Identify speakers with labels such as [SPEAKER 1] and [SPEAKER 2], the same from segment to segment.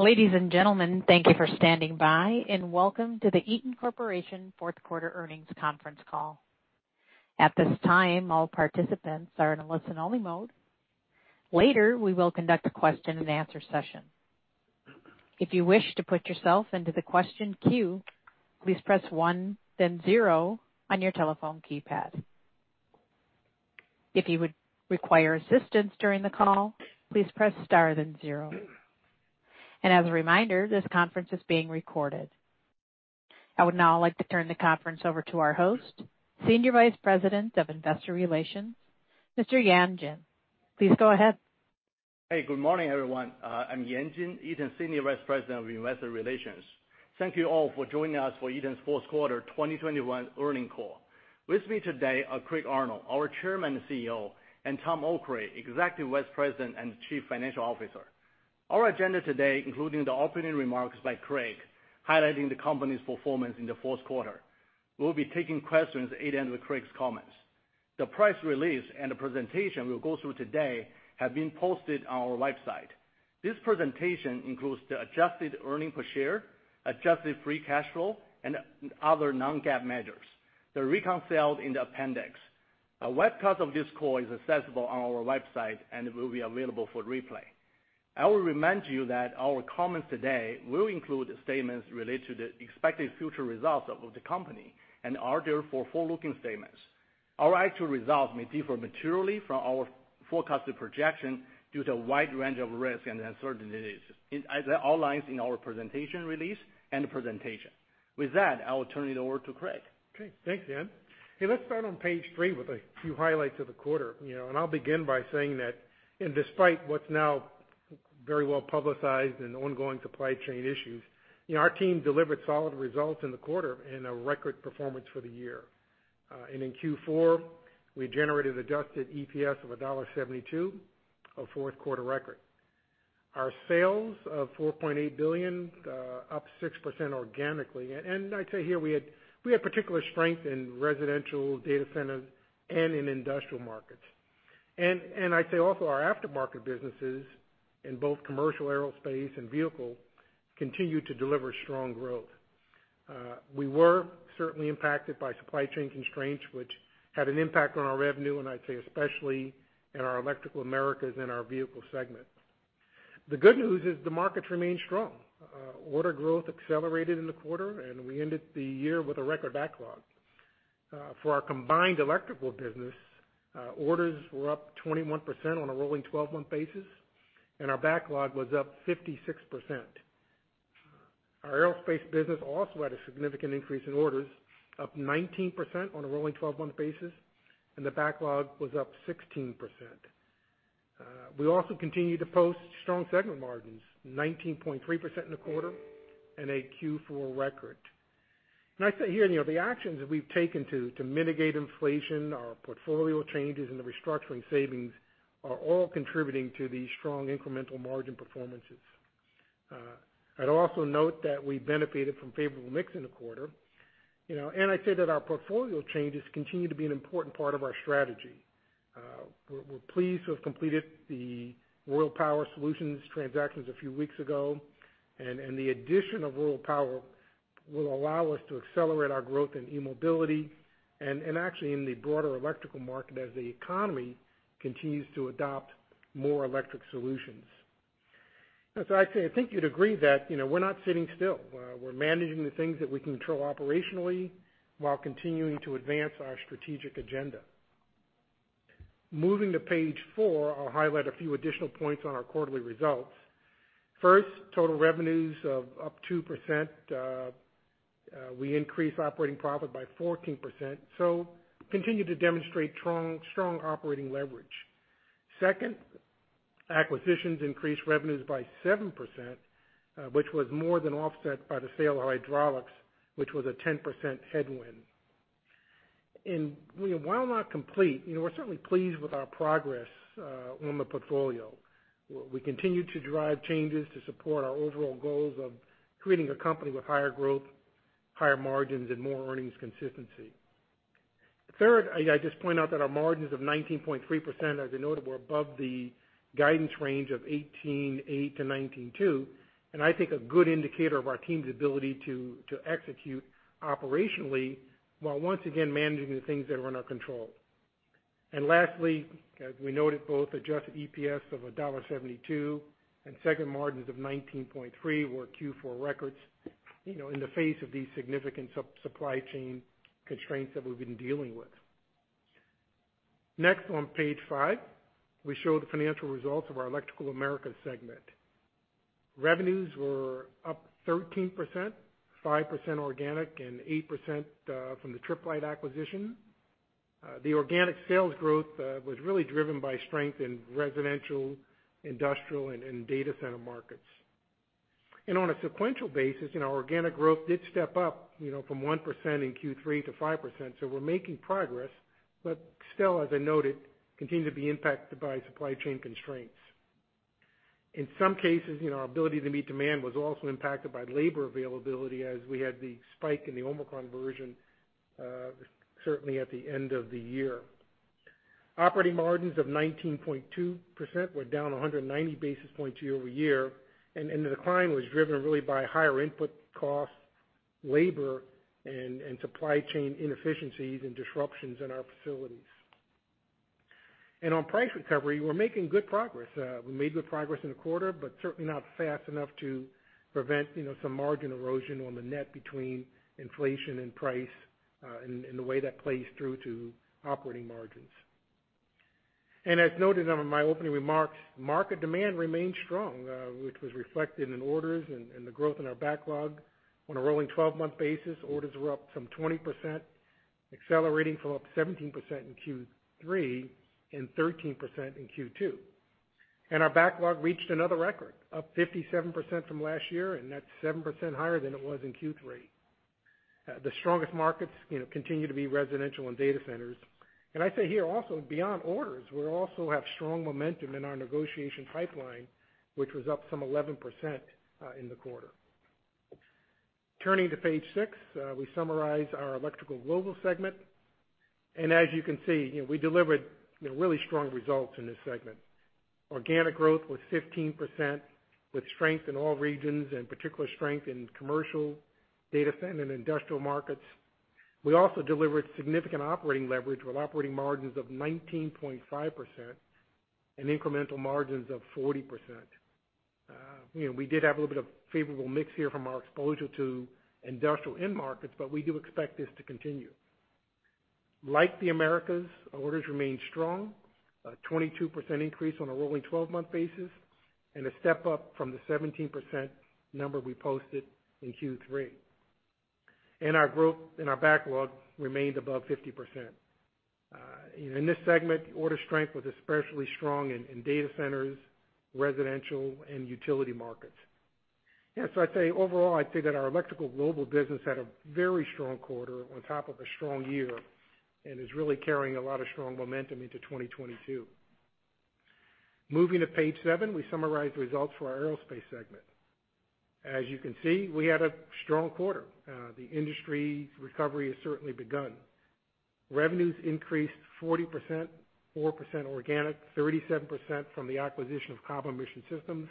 [SPEAKER 1] Ladies and gentlemen, thank you for standing by, and welcome to the Eaton Corporation Q4 Earnings Conference Call. At this time, all participants are in a listen only mode. Later, we will conduct a question and answer session. If you wish to put yourself into the question queue, please press 1 then 0 on your telephone keypad. If you would require assistance during the call, please press star then 0. As a reminder, this conference is being recorded. I would now like to turn the conference over to our host, Senior Vice President of Investor Relations, Mr. Yan Jin. Please go ahead.
[SPEAKER 2] Hey, good morning, everyone. I'm Yan Jin, Eaton's Senior Vice President of Investor Relations. Thank you all for joining us for Eaton's Q4 2021 Earnings Call. With me today are Craig Arnold, our Chairman and CEO, and Thomas Okray, Executive Vice President and Chief Financial Officer. Our agenda today includes the opening remarks by Craig, highlighting the company's performance in the Q4. We'll be taking questions at the end of Craig's comments. The press release and the presentation we'll go through today have been posted on our website. This presentation includes the adjusted earnings per share, adjusted free cash flow, and other non-GAAP measures. They're reconciled in the appendix. A webcast of this call is accessible on our website, and it will be available for replay. I will remind you that our comments today will include statements related to the expected future results of the company and are therefore forward-looking statements. Our actual results may differ materially from our forecasted projection due to a wide range of risks and uncertainties, as outlined in our presentation release and the presentation. With that, I will turn it over to Craig.
[SPEAKER 3] Okay, thanks, Yan. Hey, let's start on page three with a few highlights of the quarter. I'll begin by saying that in spite of what's now very well publicized and ongoing supply chain issues, our team delivered solid results in the quarter and a record performance for the year. In Q4, we generated adjusted EPS of $1.72, a Q4 record. Our sales of $4.8 billion, up 6% organically. I'd say here we had particular strength in residential data centers and in industrial markets. I'd say also our aftermarket businesses in both commercial aerospace and Vehicle continued to deliver strong growth. We were certainly impacted by supply chain constraints, which had an impact on our revenue, and I'd say especially in our Electrical Americas and our Vehicle segment. The good news is the markets remain strong. Order growth accelerated in the quarter, and we ended the year with a record backlog. For our combined Electrical business, orders were up 21% on a rolling 12-month basis, and our backlog was up 56%. Our Aerospace business also had a significant increase in orders, up 19% on a rolling 12-month basis, and the backlog was up 16%. We also continued to post strong segment margins, 19.3% in the quarter and a Q4 record. I say here, the actions that we've taken to mitigate inflation, our portfolio changes, and the restructuring savings are all contributing to these strong incremental margin performances. I'd also note that we benefited from favorable mix in the quarter. I'd say that our portfolio changes continue to be an important part of our strategy. We're pleased to have completed the Royal Power Solutions transactions a few weeks ago, and the addition of Royal Power will allow us to accelerate our growth in eMobility and actually in the broader electrical market as the economy continues to adopt more electric solutions. I'd say, I think you'd agree that we're not sitting still. We're managing the things that we can control operationally while continuing to advance our strategic agenda. Moving to page 4, I'll highlight a few additional points on our quarterly results. First, total revenues up 2%. We increased operating profit by 14%, so continued to demonstrate strong operating leverage. Second, acquisitions increased revenues by 7%, which was more than offset by the sale of Hydraulics, which was a 10% headwind. While not complete, we're certainly pleased with our progress on the portfolio. We continue to drive changes to support our overall goals of creating a company with higher growth, higher margins, and more earnings consistency. Third, I just point out that our margins of 19.3%, as I noted, were above the guidance range of 18.8%-19.2%, and I think a good indicator of our team's ability to execute operationally while once again managing the things that are in our control. Lastly, as we noted, both adjusted EPS of $1.72 and segment margins of 19.3% were Q4 records in the face of these significant supply chain constraints that we've been dealing with. Next, on page five, we show the financial results of our Electrical Americas segment. Revenues were up 13%, 5% organic, and 8% from the Tripp Lite acquisition. The organic sales growth was really driven by strength in residential, industrial, and data center markets. On a sequential basis, organic growth did step up from 1% in Q3 to 5%, so we're making progress, but still, as I noted, we continue to be impacted by supply chain constraints. In some cases, our ability to meet demand was also impacted by labor availability as we had the spike in the Omicron version, certainly at the end of the year. Operating margins of 19.2% were down 190 basis points year-over-year, and the decline was driven really by higher input costs, labor, and supply chain inefficiencies and disruptions in our facilities. On price recovery, we're making good progress. We made good progress in the quarter, but certainly not fast enough to prevent some margin erosion on the net between inflation and price, and the way that plays through to operating margins. As noted in my opening remarks, market demand remained strong, which was reflected in orders and the growth in our backlog. On a rolling twelve-month basis, orders were up some 20%, accelerating from up 17% in Q3 and 13% in Q2. Our backlog reached another record, up 57% from last year, and that's 7% higher than it was in Q3. The strongest markets continue to be residential and data centers. I say here also, beyond orders, we also have strong momentum in our negotiation pipeline, which was up some 11% in the quarter. Turning to page six, we summarize our Electrical Global segment. As you can see, we delivered really strong results in this segment. Organic growth was 15%, with strength in all regions and particular strength in commercial, data center, and industrial markets. We also delivered significant operating leverage with operating margins of 19.5% and incremental margins of 40%. We did have a little bit of favorable mix here from our exposure to industrial end markets, but we do expect this to continue. Like the Americas, our orders remain strong, a 22% increase on a rolling 12-month basis, and a step up from the 17% number we posted in Q3. Our growth in our backlog remained above 50%. In this segment, order strength was especially strong in data centers, residential, and utility markets. Yeah, so I'd say overall, I'd say that our Electrical Global business had a very strong quarter on top of a strong year, and is really carrying a lot of strong momentum into 2022. Moving to page seven, we summarize results for our Aerospace segment. As you can see, we had a strong quarter. The industry's recovery has certainly begun. Revenues increased 40%, 4% organic, 37% from the acquisition of Cobham Mission Systems,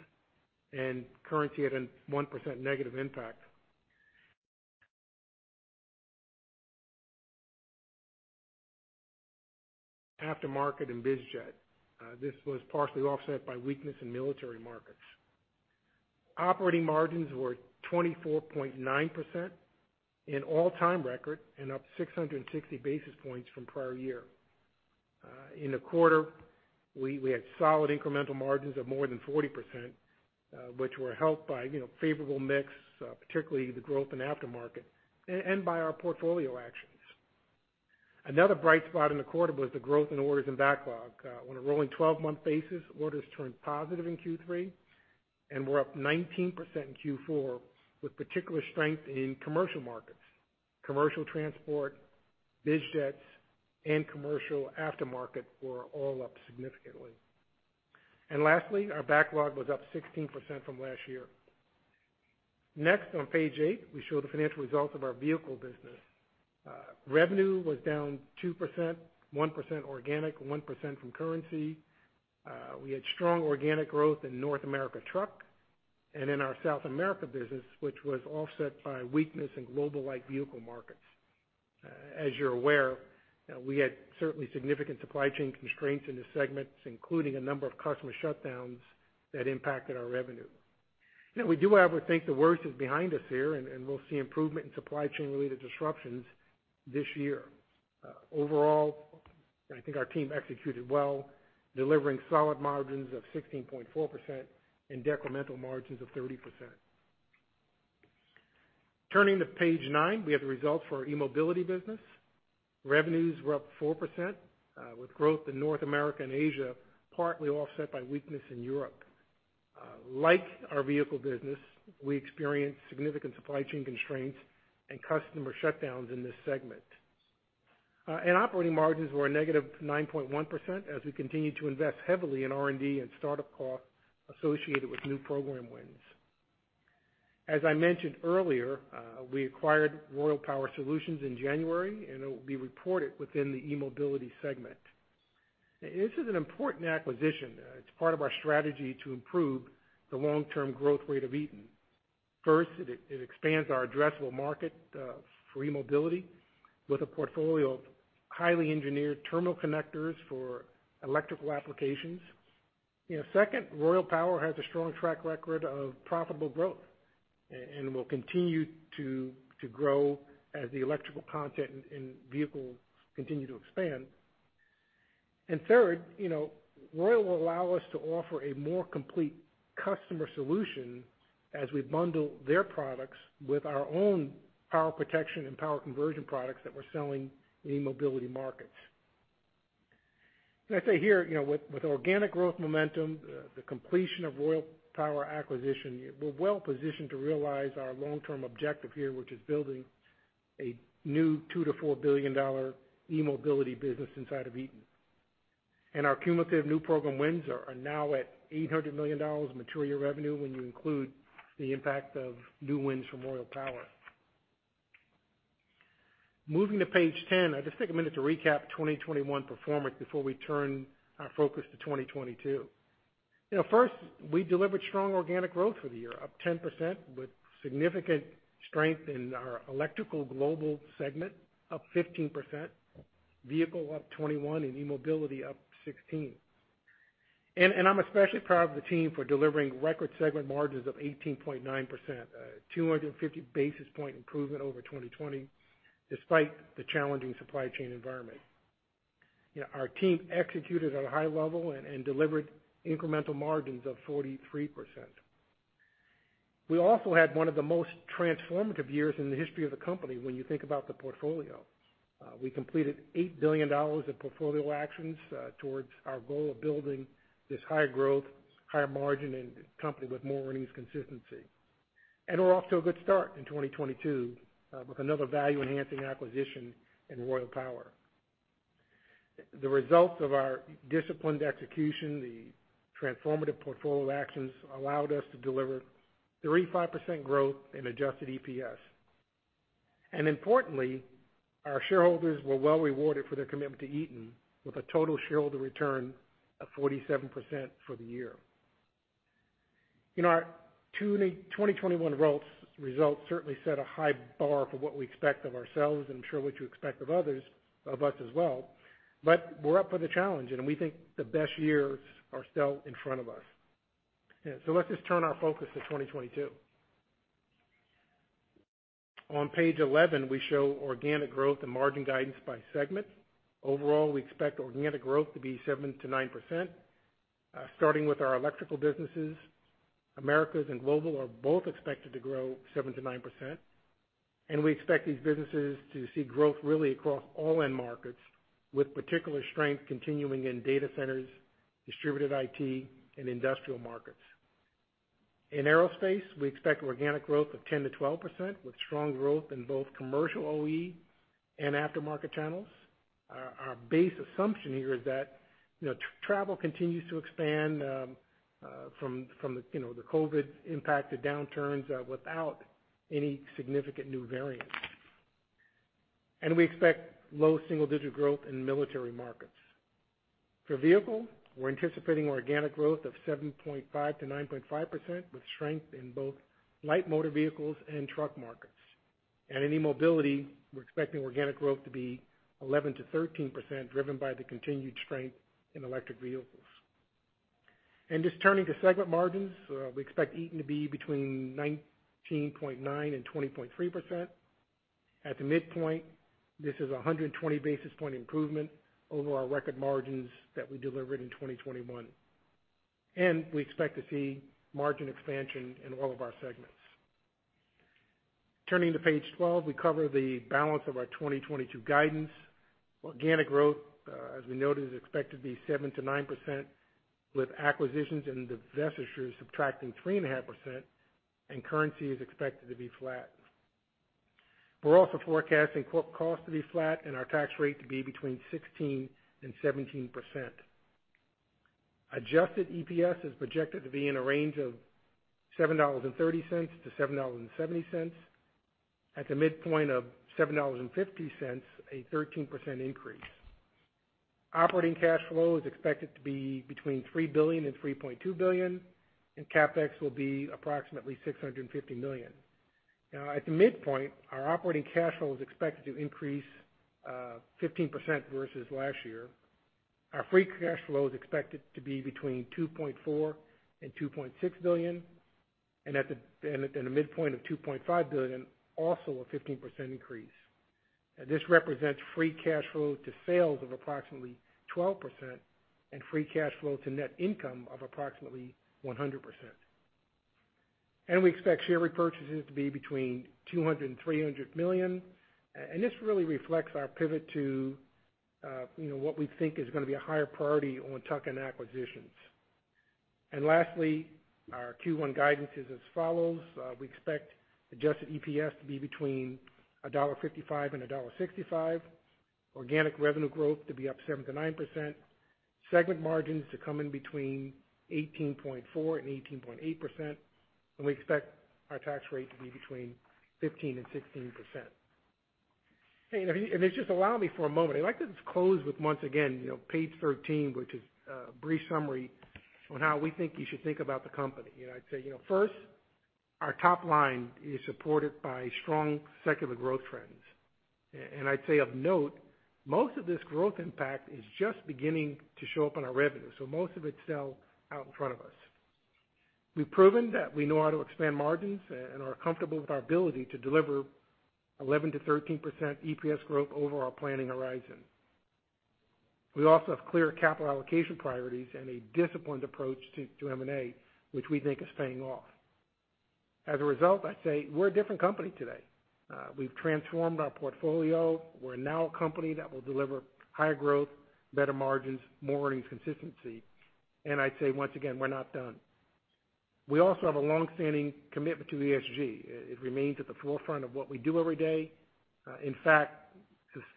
[SPEAKER 3] and currency at a 1% negative impact. Aftermarket and biz jet. This was partially offset by weakness in military markets. Operating margins were 24.9%, an all-time record and up 660 basis points from prior year. In the quarter, we had solid incremental margins of more than 40%, which were helped by favorable mix, particularly the growth in aftermarket, and by our portfolio actions. Another bright spot in the quarter was the growth in orders and backlog. On a rolling 12-month basis, orders turned positive in Q3 and were up 19% in Q4, with particular strength in commercial markets. Commercial transport, biz jets, and commercial aftermarket were all up significantly. Lastly, our backlog was up 16% from last year. Next, on page eight, we show the financial results of our Vehicle business. Revenue was down 2%, 1% organic, 1% from currency. We had strong organic growth in North America truck and in our South America business, which was offset by weakness in global light vehicle markets. As you're aware, we had certainly significant supply chain constraints in the segments, including a number of customer shutdowns that impacted our revenue. We do, however, think the worst is behind us here, and we'll see improvement in supply chain-related disruptions this year. Overall, I think our team executed well, delivering solid margins of 16.4% and decremental margins of 30%. Turning to page nine, we have the results for our eMobility business. Revenues were up 4%, with growth in North America and Asia partly offset by weakness in Europe. Like our Vehicle business, we experienced significant supply chain constraints and customer shutdowns in this segment. Operating margins were -9.1% as we continued to invest heavily in R&D and startup costs associated with new program wins. As I mentioned earlier, we acquired Royal Power Solutions in January, and it will be reported within the eMobility segment. This is an important acquisition. It's part of our strategy to improve the long-term growth rate of Eaton. First, it expands our addressable market for eMobility with a portfolio of highly engineered terminal connectors for electrical applications. Second, Royal Power has a strong track record of profitable growth and will continue to grow as the electrical content in vehicles continue to expand. Third, will allow us to offer a more complete customer solution as we bundle their products with our own power protection and power conversion products that we're selling in eMobility markets. I'd say here, with organic growth momentum, the completion of Royal Power acquisition, we're well positioned to realize our long-term objective here, which is building a new $2 billion-$4 billion eMobility business inside of Eaton. Our cumulative new program wins are now at $800 million material revenue when you include the impact of new wins from Royal Power. Moving to page ten, I'll just take a minute to recap 2021 performance before we turn our focus to 2022. First, we delivered strong organic growth for the year, up 10% with significant strength in our Electrical Global segment, up 15%, Vehicle up 21%, and eMobility up 16%. I'm especially proud of the team for delivering record segment margins of 18.9%, 250 basis point improvement over 2020, despite the challenging supply chain environment. Our team executed at a high level and delivered incremental margins of 43%. We also had one of the most transformative years in the history of the company when you think about the portfolio. We completed $8 billion of portfolio actions towards our goal of building this higher growth, higher margin, and company with more earnings consistency. We're off to a good start in 2022 with another value-enhancing acquisition in Royal Power. The results of our disciplined execution, the transformative portfolio actions, allowed us to deliver 35% growth in adjusted EPS. Importantly, our shareholders were well rewarded for their commitment to Eaton with a total shareholder return of 47% for the year. Our 2021 results certainly set a high bar for what we expect of ourselves and surely to expect of others of us as well. We're up for the challenge, and we think the best years are still in front of us. Let's just turn our focus to 2022. On page 11, we show organic growth and margin guidance by segment. Overall, we expect organic growth to be 7%-9%. Starting with our Electrical Americas and Electrical Global businesses, both are expected to grow 7%-9%. We expect these businesses to see growth really across all end markets, with particular strength continuing in data centers, distributed IT, and industrial markets. In Aerospace, we expect organic growth of 10%-12%, with strong growth in both commercial OE and aftermarket channels. Our base assumption here is that travel continues to expand from the COVID-impacted downturns without any significant new variants. We expect low single-digit growth in military markets. For Vehicle, we're anticipating organic growth of 7.5%-9.5%, with strength in both light motor vehicles and truck markets. In eMobility, we're expecting organic growth to be 11%-13%, driven by the continued strength in electric vehicles. Just turning to segment margins, we expect Eaton to be between 19.9%-20.3%. At the midpoint, this is a 120 basis point improvement over our record margins that we delivered in 2021. We expect to see margin expansion in all of our segments. Turning to page 12, we cover the balance of our 2022 guidance. Organic growth, as we noted, is expected to be 7%-9%, with acquisitions and divestitures subtracting 3.5%, and currency is expected to be flat. We're also forecasting cost to be flat and our tax rate to be between 16% and 17%. Adjusted EPS is projected to be in a range of $7.30-$7.70. At the midpoint of $7.50, a 13% increase. Operating cash flow is expected to be between $3 billion and $3.2 billion, and CapEx will be approximately $650 million. Now at the midpoint, our operating cash flow is expected to increase 15% versus last year. Our free cash flow is expected to be between $2.4 billion and $2.6 billion, and at the midpoint of $2.5 billion, also a 15% increase. This represents free cash flow to sales of approximately 12% and free cash flow to net income of approximately 100%. We expect share repurchases to be between $200 million and $300 million. This really reflects our pivot to what we think is gonna be a higher priority on tuck-in acquisitions. Lastly, our Q1 guidance is as follows. We expect adjusted EPS to be between $1.55 and $1.65, organic revenue growth to be up 7%-9%, segment margins to come in between 18.4% and 18.8%, and we expect our tax rate to be between 15% and 16%. Hey, if you just allow me for a moment, I'd like to just close with, once again, page thirteen, which is a brief summary on how we think you should think about the company. I'd say, first, our top line is supported by strong secular growth trends. And I'd say of note, most of this growth impact is just beginning to show up in our revenue, so most of it's still out in front of us. We've proven that we know how to expand margins and are comfortable with our ability to deliver 11%-13% EPS growth over our planning horizon. We also have clear capital allocation priorities and a disciplined approach to M&A, which we think is paying off. As a result, I'd say we're a different company today. We've transformed our portfolio. We're now a company that will deliver higher growth, better margins, more earnings consistency. I'd say, once again, we're not done. We also have a long-standing commitment to ESG. It remains at the forefront of what we do every day. In fact,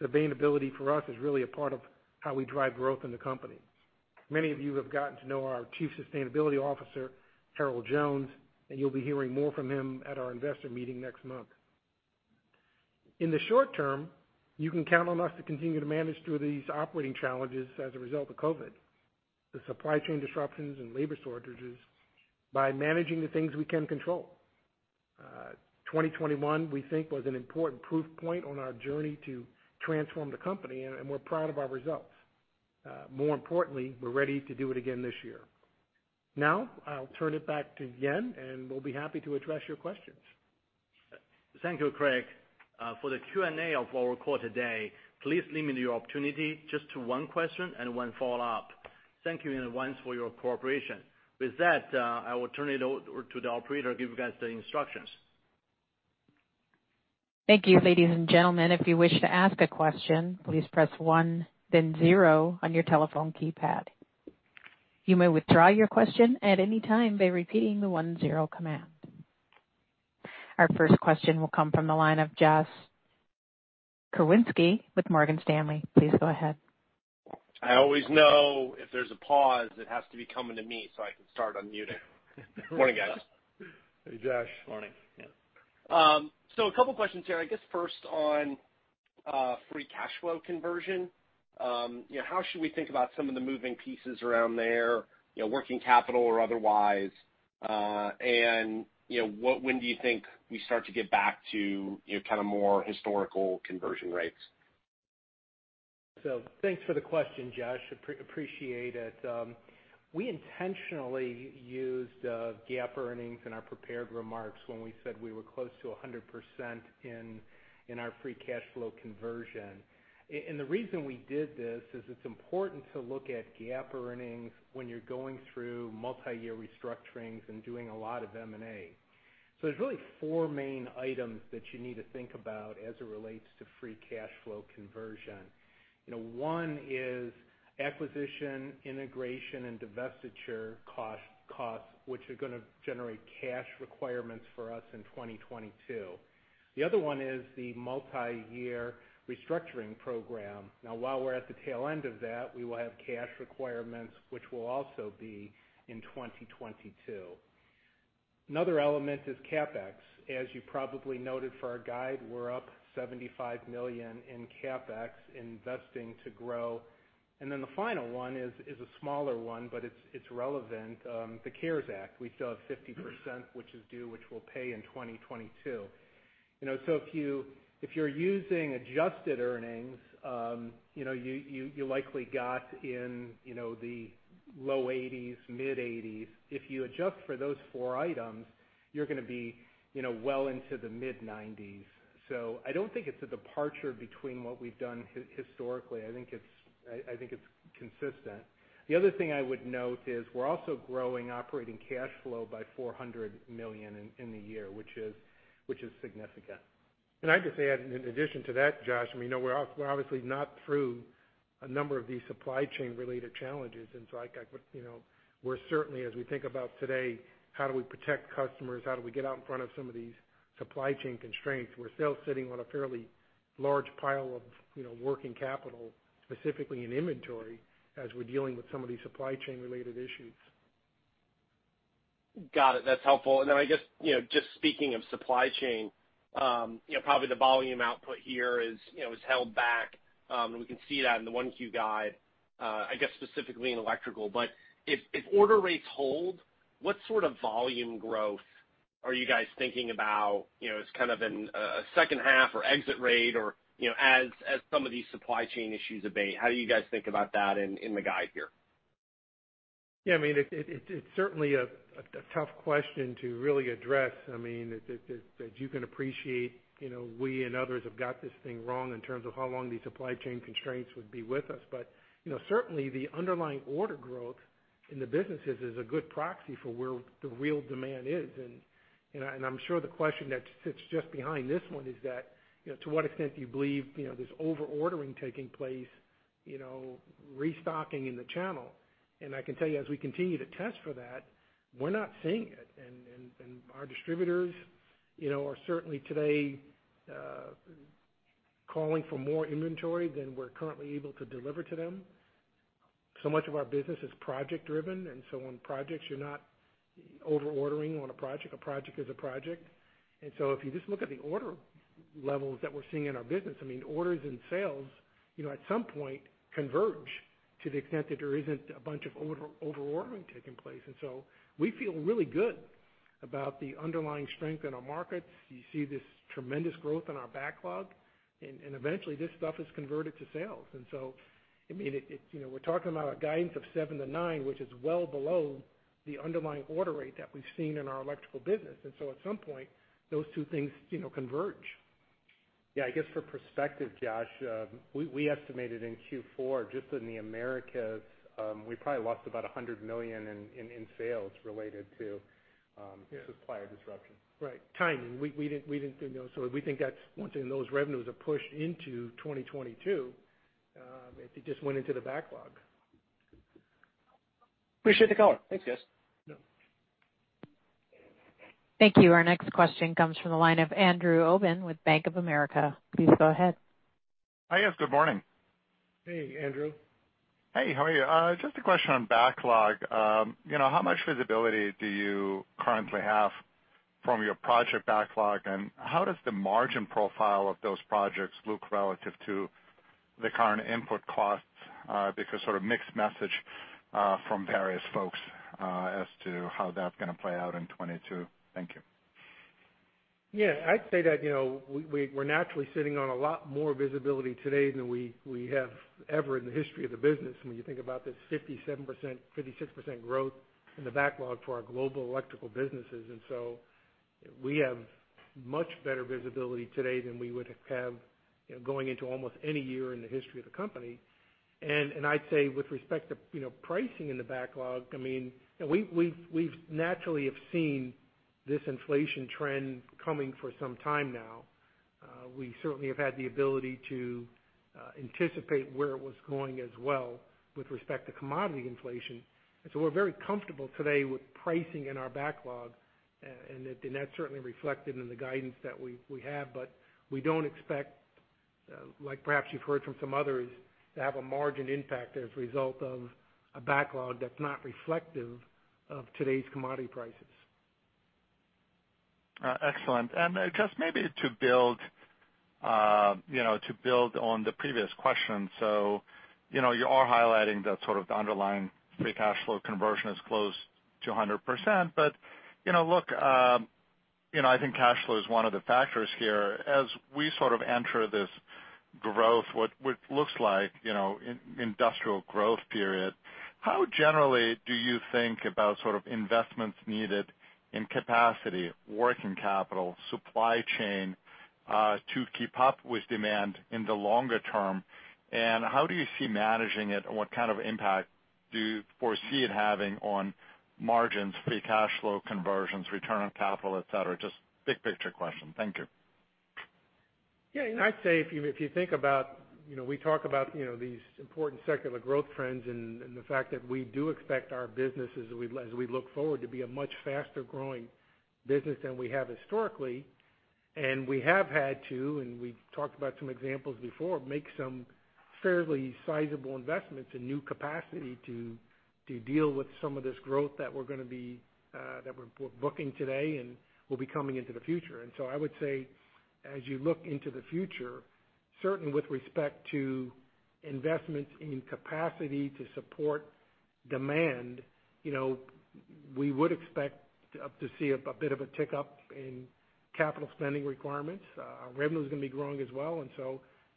[SPEAKER 3] sustainability for us is really a part of how we drive growth in the company. Many of you have gotten to know our Chief Sustainability Officer, Harold Jones, and you'll be hearing more from him at our investor meeting next month. In the short term, you can count on us to continue to manage through these operating challenges as a result of COVID, the supply chain disruptions and labor shortages by managing the things we can control. 2021, we think, was an important proof point on our journey to transform the company, and we're proud of our results. More importantly, we're ready to do it again this year. Now, I'll turn it back to Yan, and we'll be happy to address your questions.
[SPEAKER 2] Thank you, Craig. For the Q&A of our call today, please limit your opportunity just to one question and one follow-up. Thank you in advance for your cooperation. With that, I will turn it over to the operator to give you guys the instructions.
[SPEAKER 1] Our first question will come from the line of Joshua Pokrzywinski with Morgan Stanley. Please go ahead.
[SPEAKER 4] I always know if there's a pause, it has to be coming to me, so I can start unmuting. Morning, guys.
[SPEAKER 3] Hey, Josh.
[SPEAKER 4] Morning, yeah. A couple questions here. I guess first on free cash flow conversion, you know, how should we think about some of the moving pieces around there working capital or otherwise? When do you think we start to get back to kinda more historical conversion rates?
[SPEAKER 3] Thanks for the question, Josh, appreciate it. We intentionally used GAAP earnings in our prepared remarks when we said we were close to 100% in our free cash flow conversion. And the reason we did this is it's important to look at GAAP earnings when you're going through multiyear restructurings and doing a lot of M&A. There's really four main items that you need to think about as it relates to free cash flow conversion. One is acquisition, integration, and divestiture costs, which are gonna generate cash requirements for us in 2022. The other one is the multiyear restructuring program. Now, while we're at the tail end of that, we will have cash requirements, which will also be in 2022. Another element is CapEx. As you probably noted for our guide, we're up $75 million in CapEx, investing to grow. Then the final one is a smaller one, but it's relevant, the CARES Act. We still have 50%, which is due, which we'll pay in 2022. So if you're using adjusted earnings, you likely got in the low 80s, mid-80s. If you adjust for those four items, you're gonna be well into the mid-90s. I don't think it's a departure between what we've done historically. I think it's consistent. The other thing I would note is we're also growing operating cash flow by $400 million in the year, which is significant. I'd just add in addition to that, Josh, I mean, we're obviously not through a number of these supply chain related challenges. I would, we're certainly, as we think about today, how do we protect customers? How do we get out in front of some of these supply chain constraints? We're still sitting on a fairly large pile of working capital, specifically in inventory, as we're dealing with some of these supply chain related issues.
[SPEAKER 4] Got it. That's helpful. Then I guess, just speaking of supply chain, probably the volume output here is held back. We can see that in the 1Q guide, I guess, specifically in Electrical. If order rates hold, what sort of volume growth are you guys thinking about, as kind of a second half or exit rate or as some of these supply chain issues abate? How do you guys think about that in the guide here?
[SPEAKER 3] Yeah, I mean, it's certainly a tough question to really address. I mean, that you can appreciate, we and others have got this thing wrong in terms of how long the supply chain constraints would be with us. Certainly the underlying order growth in the businesses is a good proxy for where the real demand is. I'm sure the question that sits just behind this one is that, to what extent do you believe there's over-ordering taking place, restocking in the channel. I can tell you, as we continue to test for that, we're not seeing it. Our distributors are certainly today calling for more inventory than we're currently able to deliver to them. Much of our business is project driven, and so on projects, you're not over-ordering on a project. A project is a project. If you just look at the order levels that we're seeing in our business, I mean, orders and sales at some point converge to the extent that there isn't a bunch of overordering taking place. We feel really good about the underlying strength in our markets. You see this tremendous growth in our backlog, and eventually this stuff is converted to sales. I mean, we're talking about a guidance of 7%-9%, which is well below the underlying order rate that we've seen in our electrical business. At some point, those two things, converge. Yeah, I guess for perspective, Josh, we estimated in Q4, just in the Americas, we probably lost about $100 million in sales related to, yeah, supplier disruption. Right. Timing. We didn't, you know, so we think that's once again, those revenues are pushed into 2022, if it just went into the backlog.
[SPEAKER 4] Appreciate the color. Thanks, guys.
[SPEAKER 1] Thank you. Our next question comes from the line of Andrew Obin with Bank of America. Please go ahead.
[SPEAKER 5] Hi. Yes, good morning.
[SPEAKER 3] Hey, Andrew.
[SPEAKER 5] Hey, how are you? Just a question on backlog. You know, how much visibility do you currently have from your project backlog, and how does the margin profile of those projects look relative to the current input costs? Because sort of mixed message from various folks as to how that's gonna play out in 2022. Thank you.
[SPEAKER 3] Yeah. I'd say that, you know, we're naturally sitting on a lot more visibility today than we have ever in the history of the business when you think about this 57%, 56% growth in the backlog for our global electrical businesses. We have much better visibility today than we would have, you know, going into almost any year in the history of the company. I'd say with respect to, you know, pricing in the backlog, I mean, you know, we've naturally have seen this inflation trend coming for some time now. We certainly have had the ability to anticipate where it was going as well with respect to commodity inflation. We're very comfortable today with pricing in our backlog, and that's certainly reflected in the guidance that we have. We don't expect, like perhaps you've heard from some others, to have a margin impact as a result of a backlog that's not reflective of today's commodity prices.
[SPEAKER 5] Excellent. Just maybe to build, you know, on the previous question. You know, you are highlighting the sort of underlying free cash flow conversion is close to 100%. You know, look, you know, I think cash flow is one of the factors here. As we sort of enter this growth, what looks like, you know, industrial growth period, how generally do you think about sort of investments needed in capacity, working capital, supply chain to keep up with demand in the longer term, and how do you see managing it? What kind of impact do you foresee it having on margins, free cash flow conversions, return on capital, etc.? Just big picture question. Thank you.
[SPEAKER 3] Yeah. I'd say if you think about, you know, we talk about, you know, these important secular growth trends and the fact that we do expect our businesses as we look forward to be a much faster growing business than we have historically. We have had to, and we talked about some examples before, make some fairly sizable investments in new capacity to deal with some of this growth that we're booking today and will be coming into the future. I would say, as you look into the future, certainly with respect to investments in capacity to support demand, you know, we would expect to see a bit of a tick up in capital spending requirements. Our revenue's gonna be growing as well.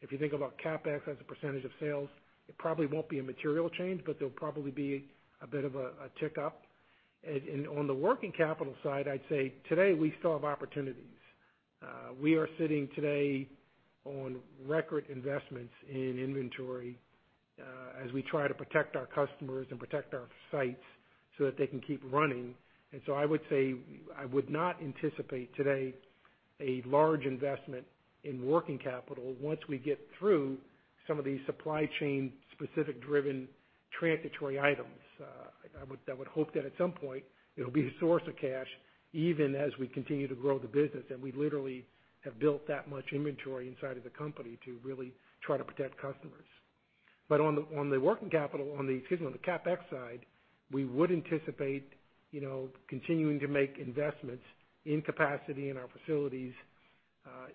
[SPEAKER 3] If you think about CapEx as a percentage of sales, it probably won't be a material change, but there'll probably be a bit of a tick up. On the working capital side, I'd say today we still have opportunities. We are sitting today on record investments in inventory, as we try to protect our customers and protect our sites so that they can keep running. I would say I would not anticipate today a large investment in working capital once we get through some of these supply chain specific driven transitory items. I would hope that at some point it'll be a source of cash, even as we continue to grow the business, and we literally have built that much inventory inside of the company to really try to protect customers. On the CapEx side, we would anticipate, you know, continuing to make investments in capacity in our facilities,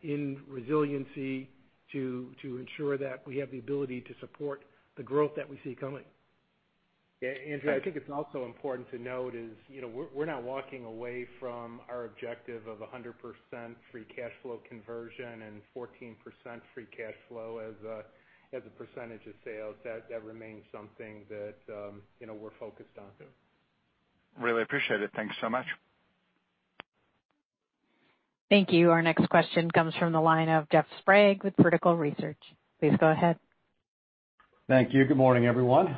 [SPEAKER 3] in resiliency to ensure that we have the ability to support the growth that we see coming. Yeah. Andrew, I think it's also important to note is, you know, we're not walking away from our objective of 100% free cash flow conversion and 14% free cash flow as a percentage of sales. That remains something that, you know, we're focused on.
[SPEAKER 5] Really appreciate it. Thank you so much.
[SPEAKER 1] Thank you. Our next question comes from the line of Jeffrey Sprague with Vertical Research. Please go ahead.
[SPEAKER 6] Thank you. Good morning, everyone.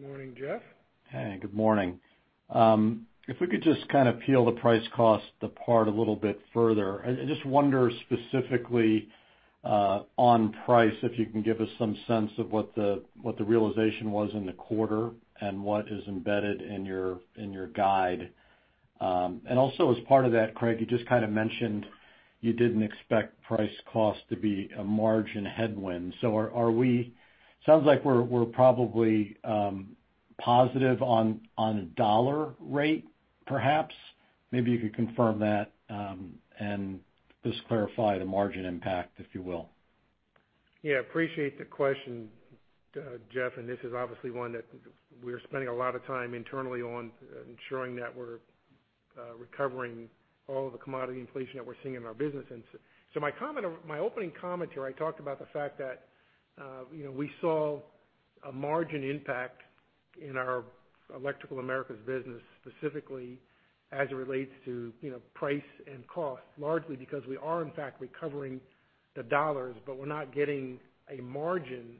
[SPEAKER 3] Good morning, Jeff.
[SPEAKER 6] Hey, good morning. If we could just kind of peel the price cost apart a little bit further. I just wonder specifically on price, if you can give us some sense of what the realization was in the quarter and what is embedded in your guide. Also as part of that, Craig, you just kind of mentioned you didn't expect price cost to be a margin headwind. Sounds like we're probably positive on a dollar rate, perhaps. Maybe you could confirm that and just clarify the margin impact, if you will.
[SPEAKER 3] Yeah, appreciate the question, Jeff, and this is obviously one that we're spending a lot of time internally on ensuring that we're recovering all of the commodity inflation that we're seeing in our business. My comment, my opening commentary, I talked about the fact that, you know, we saw a margin impact in our Electrical Americas business, specifically as it relates to, you know, price and cost, largely because we are in fact recovering the dollars, but we're not getting a margin.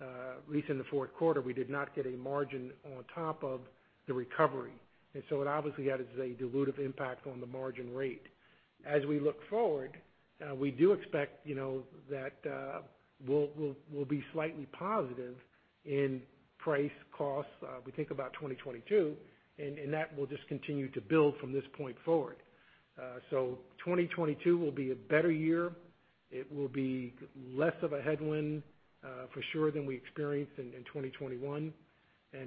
[SPEAKER 3] At least in the Q4, we did not get a margin on top of the recovery. It obviously has a dilutive impact on the margin rate. As we look forward, we do expect that we'll be slightly positive in price costs, we think about 2022, and that will just continue to build from this point forward. So 2022 will be a better year. It will be less of a headwind, for sure than we experienced in 2021.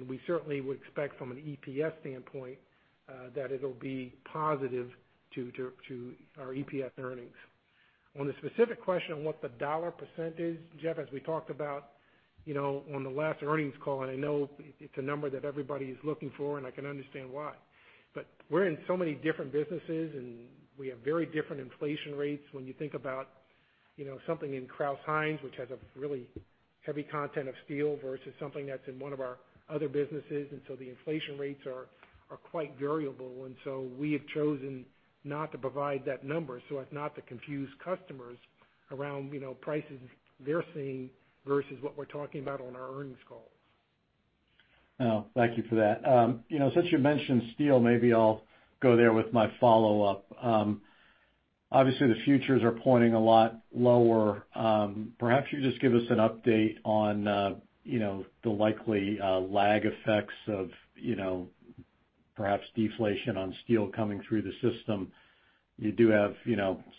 [SPEAKER 3] We certainly would expect from an EPS standpoint, that it'll be positive to our EPS earnings. On the specific question on what the dollar percent is, Jeff, as we talked about on the last earnings call, and I know it's a number that everybody is looking for, and I can understand why. We're in so many different businesses, and we have very different inflation rates when you think about something in Crouse-Hinds, which has a really heavy content of steel versus something that's in one of our other businesses. The inflation rates are quite variable. We have chosen not to provide that number so as not to confuse customers around prices they're seeing versus what we're talking about on our earnings calls.
[SPEAKER 6] No, thank you for that. Since you mentioned steel, maybe I'll go there with my follow-up. Obviously, the futures are pointing a lot lower. Perhaps you just give us an update on the likely lag effects of, perhaps deflation on steel coming through the system. You do have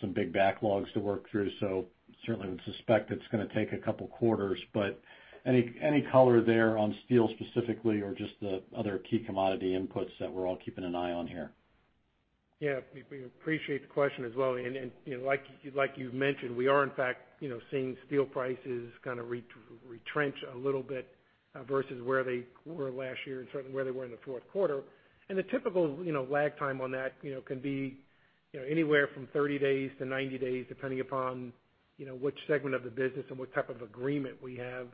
[SPEAKER 6] some big backlogs to work through, so certainly would suspect it's gonna take a couple quarters, but any color there on steel specifically or just the other key commodity inputs that we're all keeping an eye on here?
[SPEAKER 3] Yeah. We appreciate the question as well. Like you've mentioned, we are in fact seeing steel prices kinda retrench a little bit versus where they were last year and certainly where they were in the Q4. The typical lag time on that can be anywhere from 30 days to 90 days, depending upon which segment of the business and what type of agreement we have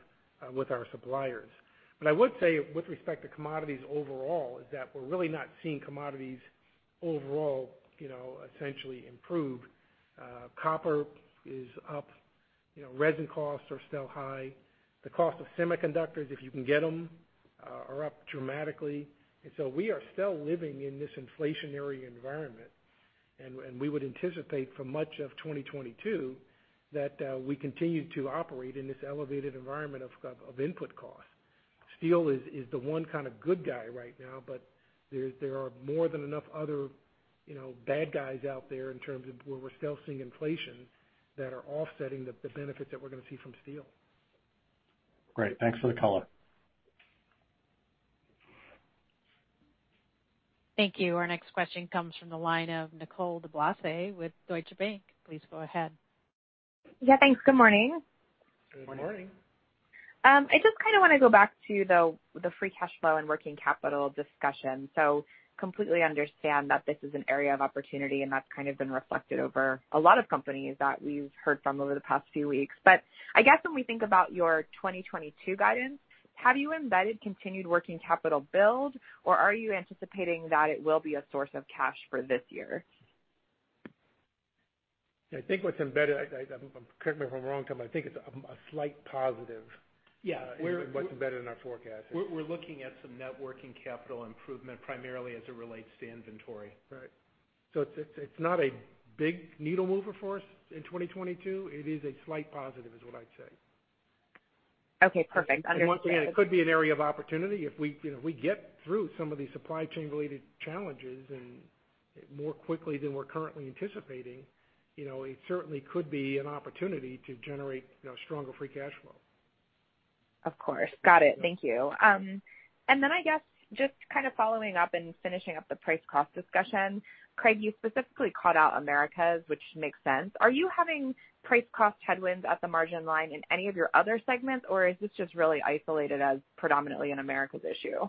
[SPEAKER 3] with our suppliers. But I would say with respect to commodities overall is that we're really not seeing commodities overall essentially improve. Copper is up, resin costs are still high. The cost of semiconductors, if you can get them, are up dramatically. We are still living in this inflationary environment, and we would anticipate for much of 2022 that we continue to operate in this elevated environment of input costs. Steel is the one kind of good guy right now, but there are more than enough other bad guys out there in terms of where we're still seeing inflation that are offsetting the benefits that we're gonna see from steel.
[SPEAKER 6] Great. Thanks for the color.
[SPEAKER 1] Thank you. Our next question comes from the line of Nicole DeBlase with Deutsche Bank. Please go ahead.
[SPEAKER 7] Yeah, thanks. Good morning.
[SPEAKER 3] Good morning.
[SPEAKER 7] I just kinda wanna go back to the free cash flow and working capital discussion. I completely understand that this is an area of opportunity, and that's kind of been reflected over a lot of companies that we've heard from over the past few weeks. I guess when we think about your 2022 guidance, have you embedded continued working capital build, or are you anticipating that it will be a source of cash for this year?
[SPEAKER 3] I think what's embedded, correct me if I'm wrong, Tom. I think it's a slight positive.
[SPEAKER 8] Yeah. It's what's embedded in our forecast.
[SPEAKER 9] We're looking at some working capital improvement primarily as it relates to inventory.
[SPEAKER 8] Right. It's not a big needle mover for us in 2022. It is a slight positive is what I'd say.
[SPEAKER 7] Okay, perfect. Understood.
[SPEAKER 8] Once again, it could be an area of opportunity. If we get through some of these supply chain-related challenges and more quickly than we're currently anticipating, it certainly could be an opportunity to generate stronger free cash flow.
[SPEAKER 7] Of course. Got it. Thank you. I guess just kind of following up and finishing up the price cost discussion. Craig, you specifically called out Americas, which makes sense. Are you having price cost headwinds at the margin line in any of your other segments, or is this just really isolated as predominantly an Americas issue?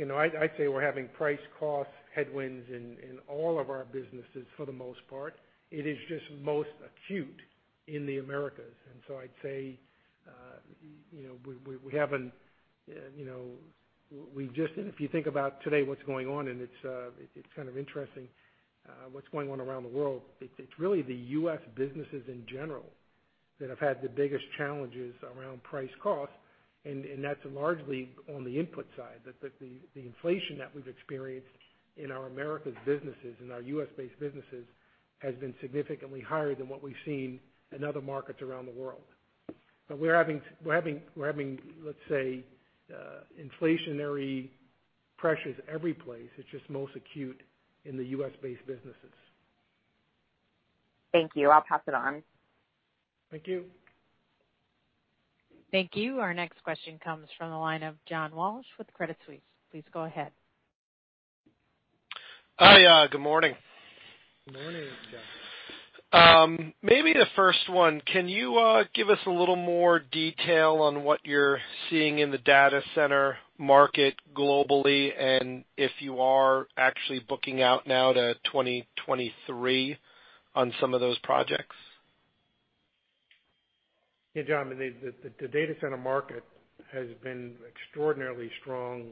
[SPEAKER 3] I'd say we're having price cost headwinds in all of our businesses for the most part. It is just most acute in the Americas. If you think about today, what's going on around the world, it's kind of interesting. It's really the U.S. businesses in general that have had the biggest challenges around price cost, and that's largely on the input side. The inflation that we've experienced in our Americas businesses, in our U.S.-based businesses, has been significantly higher than what we've seen in other markets around the world. But we're having, let's say, inflationary pressures every place. It's just most acute in the U.S.-based businesses.
[SPEAKER 7] Thank you. I'll pass it on.
[SPEAKER 3] Thank you.
[SPEAKER 1] Thank you. Our next question comes from the line of John Walsh with Credit Suisse. Please go ahead.
[SPEAKER 10] Hi. Good morning.
[SPEAKER 3] Good morning, John.
[SPEAKER 10] Maybe the first one, can you give us a little more detail on what you're seeing in the data center market globally, and if you are actually booking out now to 2023 on some of those projects?
[SPEAKER 3] Yeah, John. The data center market has been extraordinarily strong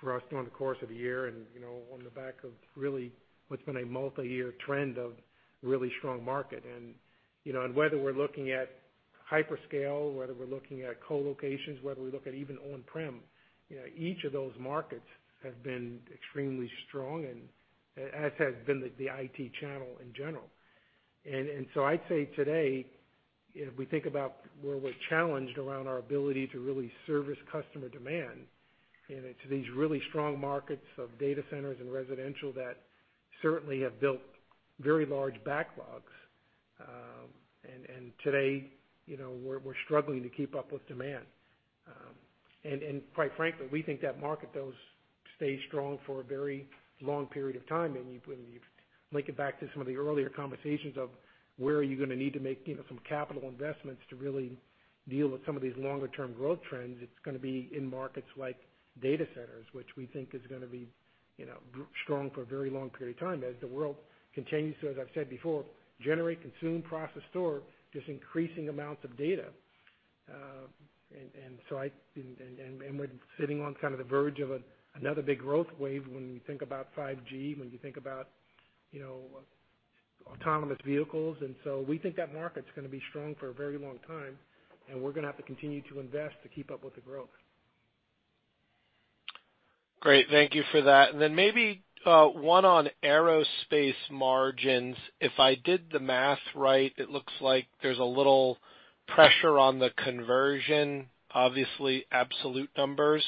[SPEAKER 3] for us during the course of the year and on the back of really what's been a multiyear trend of really strong market. Whether we're looking at Hyperscale, whether we're looking at co-locations, whether we look at even on-prem, each of those markets have been extremely strong and as has been the IT channel in general. So I'd say today, if we think about where we're challenged around our ability to really service customer demand and to these really strong markets of data centers and residential that certainly have built very large backlogs. Today, we're struggling to keep up with demand. Quite frankly, we think that market though stays strong for a very long period of time. When you link it back to some of the earlier conversations of where are you gonna need to make some capital investments to really deal with some of these longer term growth trends, it's gonna be in markets like data centers, which we think is gonna be strong for a very long period of time as the world continues to, as I've said before, generate, consume, process, store, just increasing amounts of data. We're sitting on kind of the verge of another big growth wave when you think about 5G, when you think about autonomous vehicles. We think that market's gonna be strong for a very long time, and we're gonna have to continue to invest to keep up with the growth.
[SPEAKER 10] Great. Thank you for that. Maybe one on aerospace margins. If I did the math right, it looks like there's a little pressure on the conversion. Obviously, absolute numbers,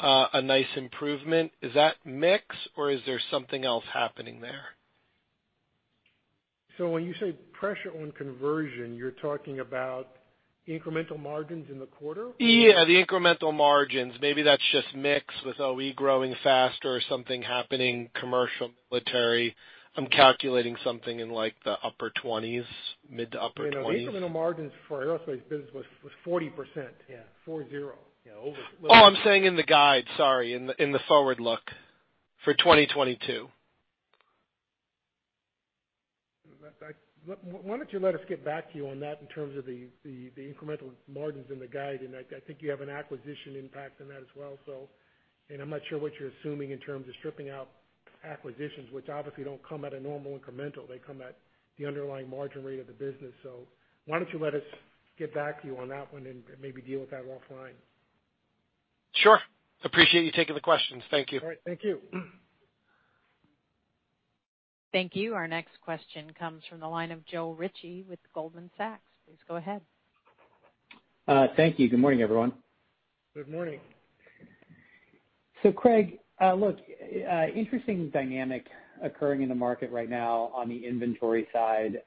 [SPEAKER 10] a nice improvement. Is that mix or is there something else happening there?
[SPEAKER 3] When you say pressure on conversion, you're talking about incremental margins in the quarter?
[SPEAKER 10] The incremental margins. Maybe that's just mix with OE growing faster or something happening commercial, military. I'm calculating something in like the upper 20s%, mid- to upper 20s%.
[SPEAKER 3] Incremental margins for aerospace business was 40%. Yeah, 40.
[SPEAKER 10] I'm saying in the guide. Sorry. In the forward look for 2022.
[SPEAKER 3] Why don't you let us get back to you on that in terms of the incremental margins in the guide? I think you have an acquisition impact in that as well. I'm not sure what you're assuming in terms of stripping out acquisitions, which obviously don't come at a normal incremental. They come at the underlying margin rate of the business. Why don't you let us get back to you on that one and maybe deal with that offline.
[SPEAKER 10] Sure. Appreciate you taking the questions. Thank you.
[SPEAKER 3] All right. Thank you.
[SPEAKER 1] Thank you. Our next question comes from the line of Joe Ritchie with Goldman Sachs. Please go ahead.
[SPEAKER 11] Thank you. Good morning, everyone.
[SPEAKER 3] Good morning.
[SPEAKER 11] Craig, look, interesting dynamic occurring in the market right now on the inventory side.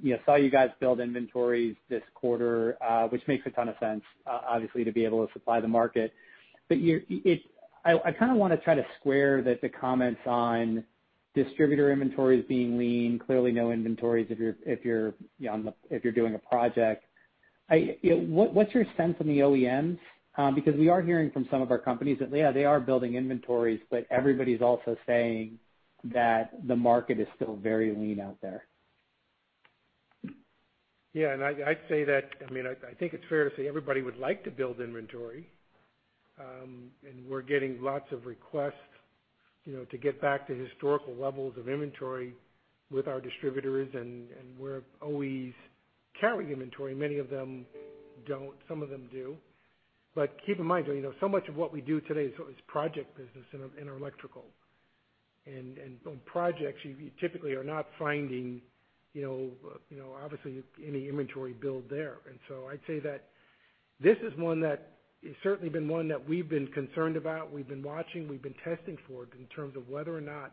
[SPEAKER 11] We saw you guys build inventories this quarter, which makes a ton of sense, obviously to be able to supply the market. I kinda wanna try to square that with the comments on distributor inventories being lean, clearly no inventories if you're doing a project. What's your sense on the OEMs? Because we are hearing from some of our companies that they are building inventories, but everybody's also saying that the market is still very lean out there.
[SPEAKER 3] I'd say that I think it's fair to say everybody would like to build inventory. We're getting lots of requests to get back to historical levels of inventory with our distributors and where OEs carry inventory. Many of them don't, some of them do. Keep in mind, so much of what we do today is project business in our electrical. On projects, you typically are not finding, obviously any inventory build there. I'd say that this is one that it's certainly been one that we've been concerned about. We've been watching, we've been testing for it in terms of whether or not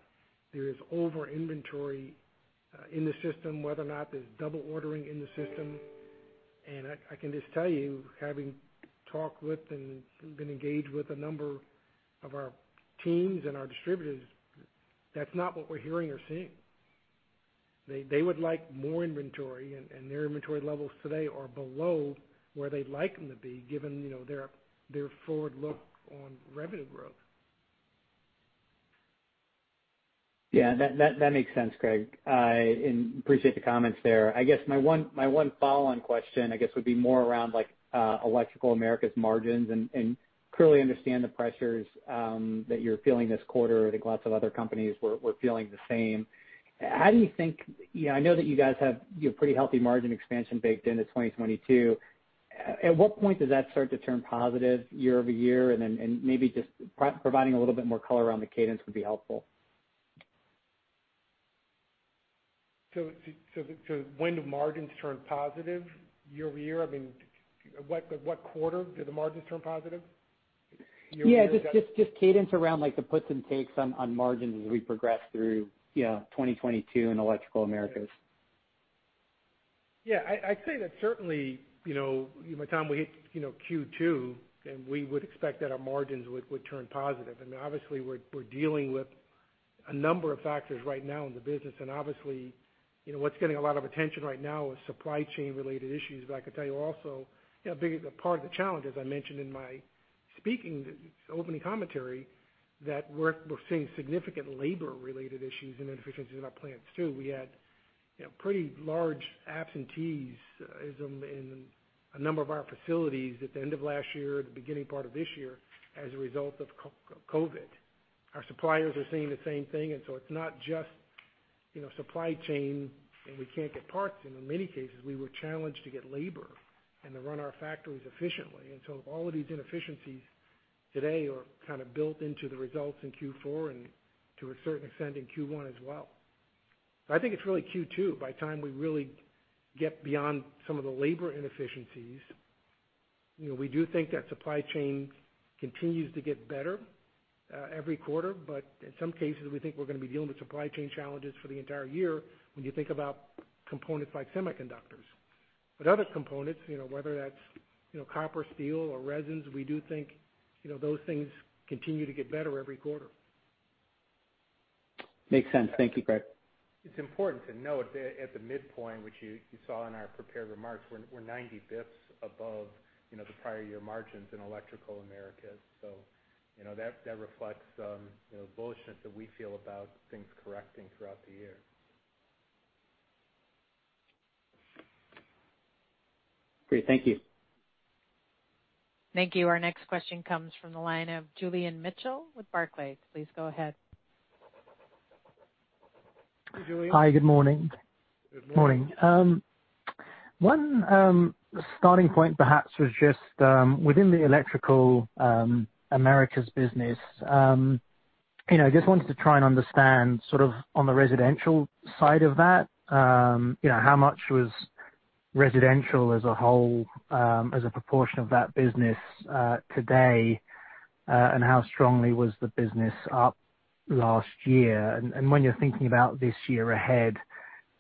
[SPEAKER 3] there is over inventory in the system, whether or not there's double ordering in the system. I can just tell you, having talked with and been engaged with a number of our teams and our distributors, that's not what we're hearing or seeing. They would like more inventory and their inventory levels today are below where they'd like them to be given their forward look on revenue growth.
[SPEAKER 11] Yeah. That makes sense, Craig. I appreciate the comments there. I guess my one follow-on question, I guess would be more around like, Electrical Americas margins and clearly understand the pressures that you're feeling this quarter. I think lots of other companies we're feeling the same. How do you think? I know that you guys have pretty healthy margin expansion baked into 2022. At what point does that start to turn positive year-over-year? And then maybe just providing a little bit more color around the cadence would be helpful.
[SPEAKER 3] When do margins turn positive year-over-year? I mean, what quarter do the margins turn positive year-over-year?
[SPEAKER 11] Yeah, just cadence around like the puts and takes on margins as we progress through 2022 in Electrical Americas.
[SPEAKER 3] Yeah. I'd say that certainly, by the time we hit Q2, then we would expect that our margins would turn positive. I mean, obviously we're dealing with a number of factors right now in the business. Obviously, what's getting a lot of attention right now is supply chain-related issues. But I could tell you also a big part of the challenge, as I mentioned in my opening commentary, that we're seeing significant labor-related issues and inefficiencies in our plants too. We had pretty large absentees in a number of our facilities at the end of last year, at the beginning part of this year as a result of COVID. Our suppliers are seeing the same thing, and so it's not just supply chain, and we can't get parts. In many cases, we were challenged to get labor and to run our factories efficiently. So all of these inefficiencies today are kind of built into the results in Q4 and to a certain extent in Q1 as well. I think it's really Q2, by the time we really get beyond some of the labor inefficiencies. We do think that supply chain continues to get better every quarter, but in some cases, we think we're gonna be dealing with supply chain challenges for the entire year when you think about components like semiconductors. Other components, whether that's copper, steel or resins, we do think those things continue to get better every quarter.
[SPEAKER 12] Makes sense. Thank you, Craig.
[SPEAKER 8] It's important to note that at the midpoint, which you saw in our prepared remarks, we're 90 basis points above the prior year margins in Electrical Americas. That reflects the bullishness that we feel about things correcting throughout the year.
[SPEAKER 12] Great. Thank you.
[SPEAKER 1] Thank you. Our next question comes from the line of Julian Mitchell with Barclays. Please go ahead.
[SPEAKER 3] Hi, Julian.
[SPEAKER 12] Hi. Good morning.
[SPEAKER 3] Good morning.
[SPEAKER 12] Morning. One starting point perhaps was just within the Electrical Americas business. I just wanted to try and understand sort of on the residential side of that, how much was residential as a whole, as a proportion of that business, today, and how strongly was the business up last year? When you're thinking about this year ahead,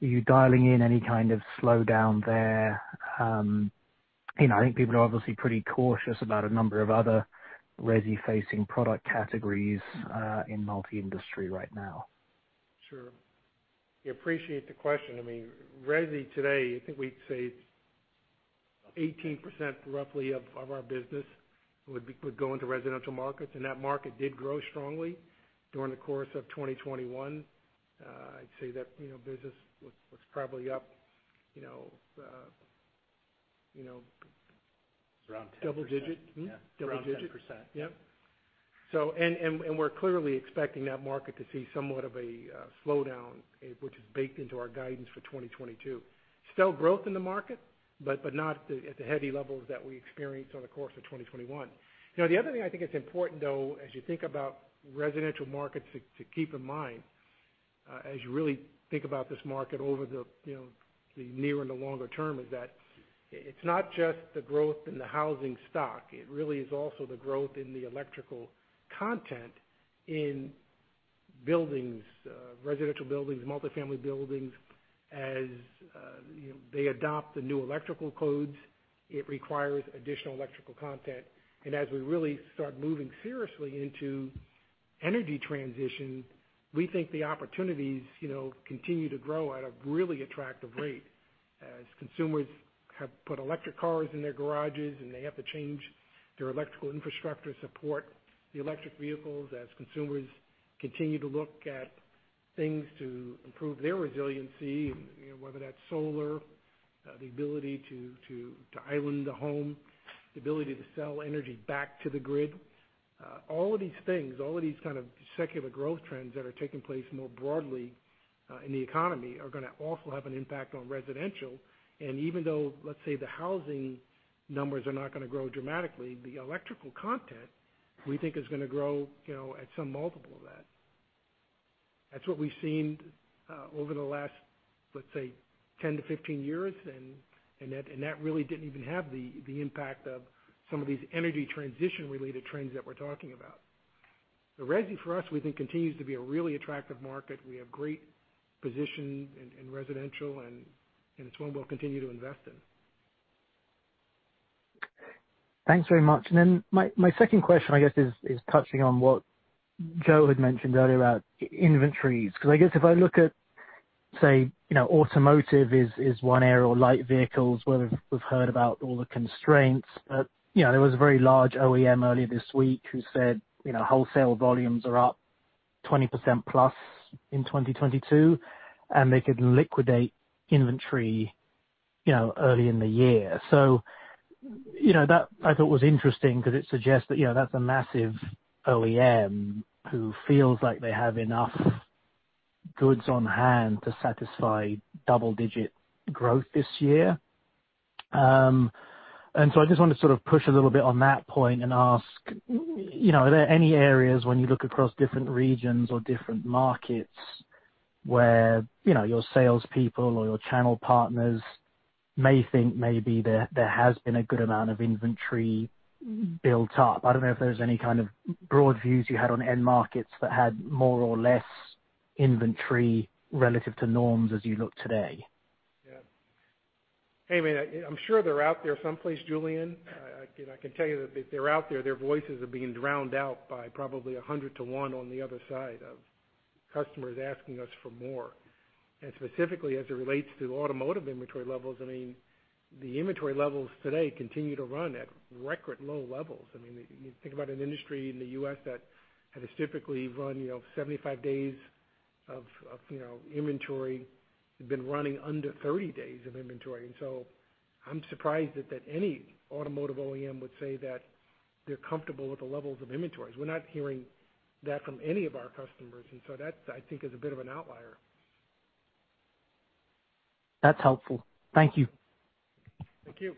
[SPEAKER 12] are you dialing in any kind of slowdown there? I think people are obviously pretty cautious about a number of other resi-facing product categories in multifamily industry right now.
[SPEAKER 3] Sure. We appreciate the question. I mean, resi today, I think we'd say 18% roughly of our business would go into residential markets, and that market did grow strongly during the course of 2021. I'd say that, you know, business was probably up, you know.
[SPEAKER 12] Around 10%.
[SPEAKER 3] Double digit.
[SPEAKER 12] Yeah.
[SPEAKER 3] Double digit.
[SPEAKER 12] Around 10%.
[SPEAKER 3] Yep. We're clearly expecting that market to see somewhat of a slowdown, which is baked into our guidance for 2022. There's still growth in the market, but not at the heavy levels that we experienced over the course of 2021. The other thing I think it's important, though, as you think about residential markets to keep in mind, as you really think about this market over the near and the longer term, is that it's not just the growth in the housing stock. It really is also the growth in the electrical content in buildings, residential buildings, multifamily buildings. As you know, they adopt the new electrical codes, it requires additional electrical content. As we really start moving seriously into energy transition, we think the opportunities continue to grow at a really attractive rate. As consumers have put electric cars in their garages, and they have to change their electrical infrastructure to support the electric vehicles. As consumers continue to look at things to improve their resiliency whether that's solar, the ability to island a home, the ability to sell energy back to the grid. All of these things, all of these kind of secular growth trends that are taking place more broadly in the economy are gonna also have an impact on residential. Even though, let's say, the housing numbers are not gonna grow dramatically, the electrical content, we think, is gonna grow at some multiple of that. That's what we've seen over the last, let's say, 10-15 years, and that really didn't even have the impact of some of these energy transition-related trends that we're talking about. The resi for us, we think, continues to be a really attractive market. We have great position in residential, and it's one we'll continue to invest in.
[SPEAKER 12] Thanks very much. My second question, I guess, is touching on what Joe had mentioned earlier about inventories. Because I guess if I look at, say automotive is one area or light vehicles where we've heard about all the constraints. There was a very large OEM earlier this week who said wholesale volumes are up 20% plus in 2022, and they could liquidate inventory early in the year. You know, that I thought was interesting because it suggests that that's a massive OEM who feels like they have enough goods on hand to satisfy double-digit growth this year. I just want to sort of push a little bit on that point and ask, are there any areas when you look across different regions or different markets where your salespeople or your channel partners may think maybe there has been a good amount of inventory built up? I don't know if there's any kind of broad views you had on end markets that had more or less inventory relative to norms as you look today.
[SPEAKER 3] Yeah. Hey, man, I'm sure they're out there someplace, Julian. I can tell you that if they're out there, their voices are being drowned out by probably 100 to 1 on the other side of customers asking us for more. Specifically, as it relates to automotive inventory levels, I mean, the inventory levels today continue to run at record low levels. I mean, you think about an industry in the U.S. that has typically run 75 days of inventory, been running under 30 days of inventory. I'm surprised that any automotive OEM would say that they're comfortable with the levels of inventories. We're not hearing that from any of our customers, that's, I think, is a bit of an outlier.
[SPEAKER 8] That's helpful. Thank you.
[SPEAKER 3] Thank you.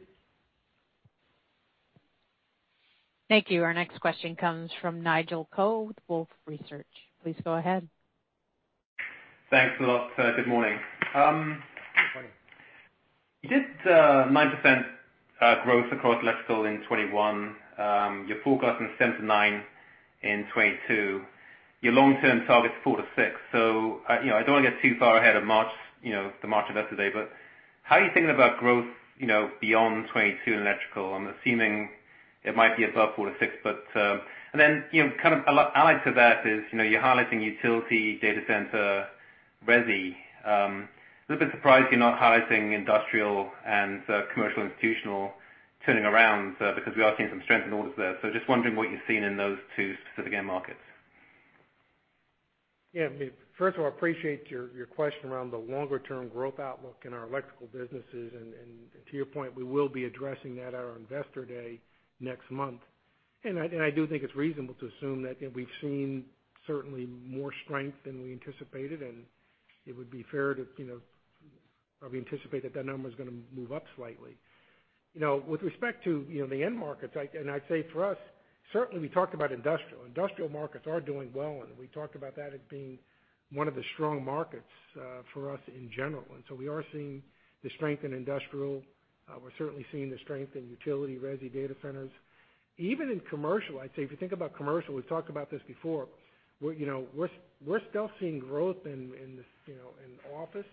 [SPEAKER 1] Thank you. Our next question comes from Nigel Coe with Wolfe Research. Please go ahead.
[SPEAKER 13] Thanks a lot. Good morning.
[SPEAKER 3] Good morning.
[SPEAKER 13] You did 9% growth across electrical in 2021. You're forecasting 7%-9% in 2022. Your long-term target's 4%-6%. I don't wanna get too far ahead of March, you know, the March event today, but how are you thinking about growth beyond 2022 in electrical? I'm assuming it might be above 4%-6%, but. And then, kind of all adds to that is you're highlighting utility data center resi. Little bit surprised you're not highlighting industrial and commercial institutional turning around, because we are seeing some strength in orders there. Just wondering what you're seeing in those two specific end markets.
[SPEAKER 3] Yeah. I mean, first of all, appreciate your question around the longer term growth outlook in our electrical businesses. To your point, we will be addressing that at our investor day next month. I do think it's reasonable to assume that we've seen certainly more strength than we anticipated, and it would be fair to probably anticipate that that number is gonna move up slightly. With respect to the end markets, I'd say for us, certainly we talked about industrial. Industrial markets are doing well, and we talked about that as being one of the strong markets, for us in general. We are seeing the strength in industrial. We're certainly seeing the strength in utility resi data centers. Even in commercial, I'd say, if you think about commercial, we've talked about this before. We're still seeing growth in this, you know, in office.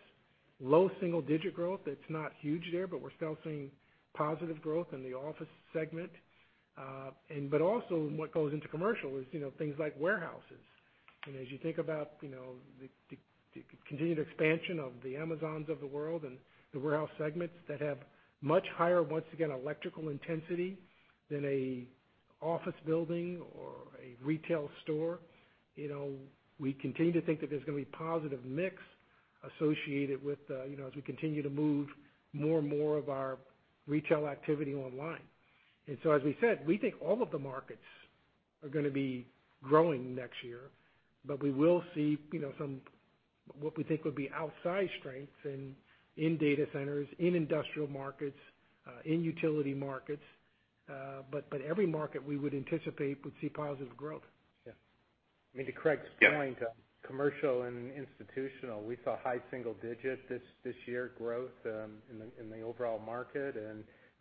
[SPEAKER 3] Low single-digit growth. It's not huge there, but we're still seeing positive growth in the office segment. Also what goes into commercial is things like warehouses. As you think about the continued expansion of the Amazons of the world and the warehouse segments that have much higher, once again, electrical intensity than an office building or a retail store, we continue to think that there's gonna be positive mix associated with, as we continue to move more and more of our retail activity online. As we said, we think all of the markets are gonna be growing next year, but we will see some what we think would be outsized strengths in data centers, in industrial markets, in utility markets. But every market we would anticipate would see positive growth.
[SPEAKER 8] Yeah. I mean, to Craig's point. Commercial and institutional, we saw high single-digit this year growth in the overall market.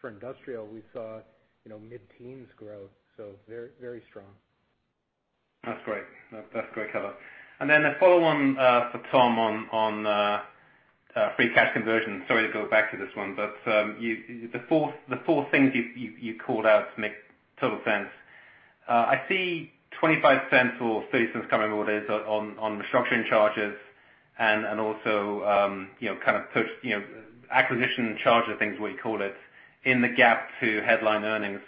[SPEAKER 8] For industrial, we saw mid-teens growth, so very strong.
[SPEAKER 13] That's great. That's great color. A follow-on for Tom on free cash conversion. Sorry to go back to this one, but the four things you called out make total sense. I see $0.25 or $0.30 coming orders on restructuring charges and also kind of post acquisition charges, I think is what you called it, in the gap to headline earnings.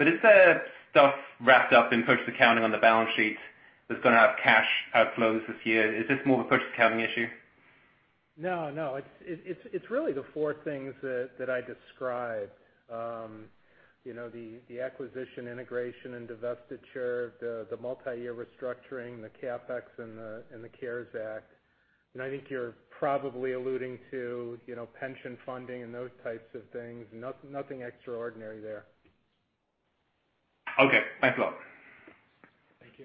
[SPEAKER 13] Is there stuff wrapped up in purchase accounting on the balance sheet that's gonna have cash outflows this year? Is this more of a purchase accounting issue?
[SPEAKER 8] No, no. It's really the four things that I described. The acquisition integration and divestiture, the multi-year restructuring, the CapEx and the CARES Act. I think you're probably alluding to pension funding and those types of things. Nothing extraordinary there.
[SPEAKER 13] Okay. Thanks a lot.
[SPEAKER 8] Thank you.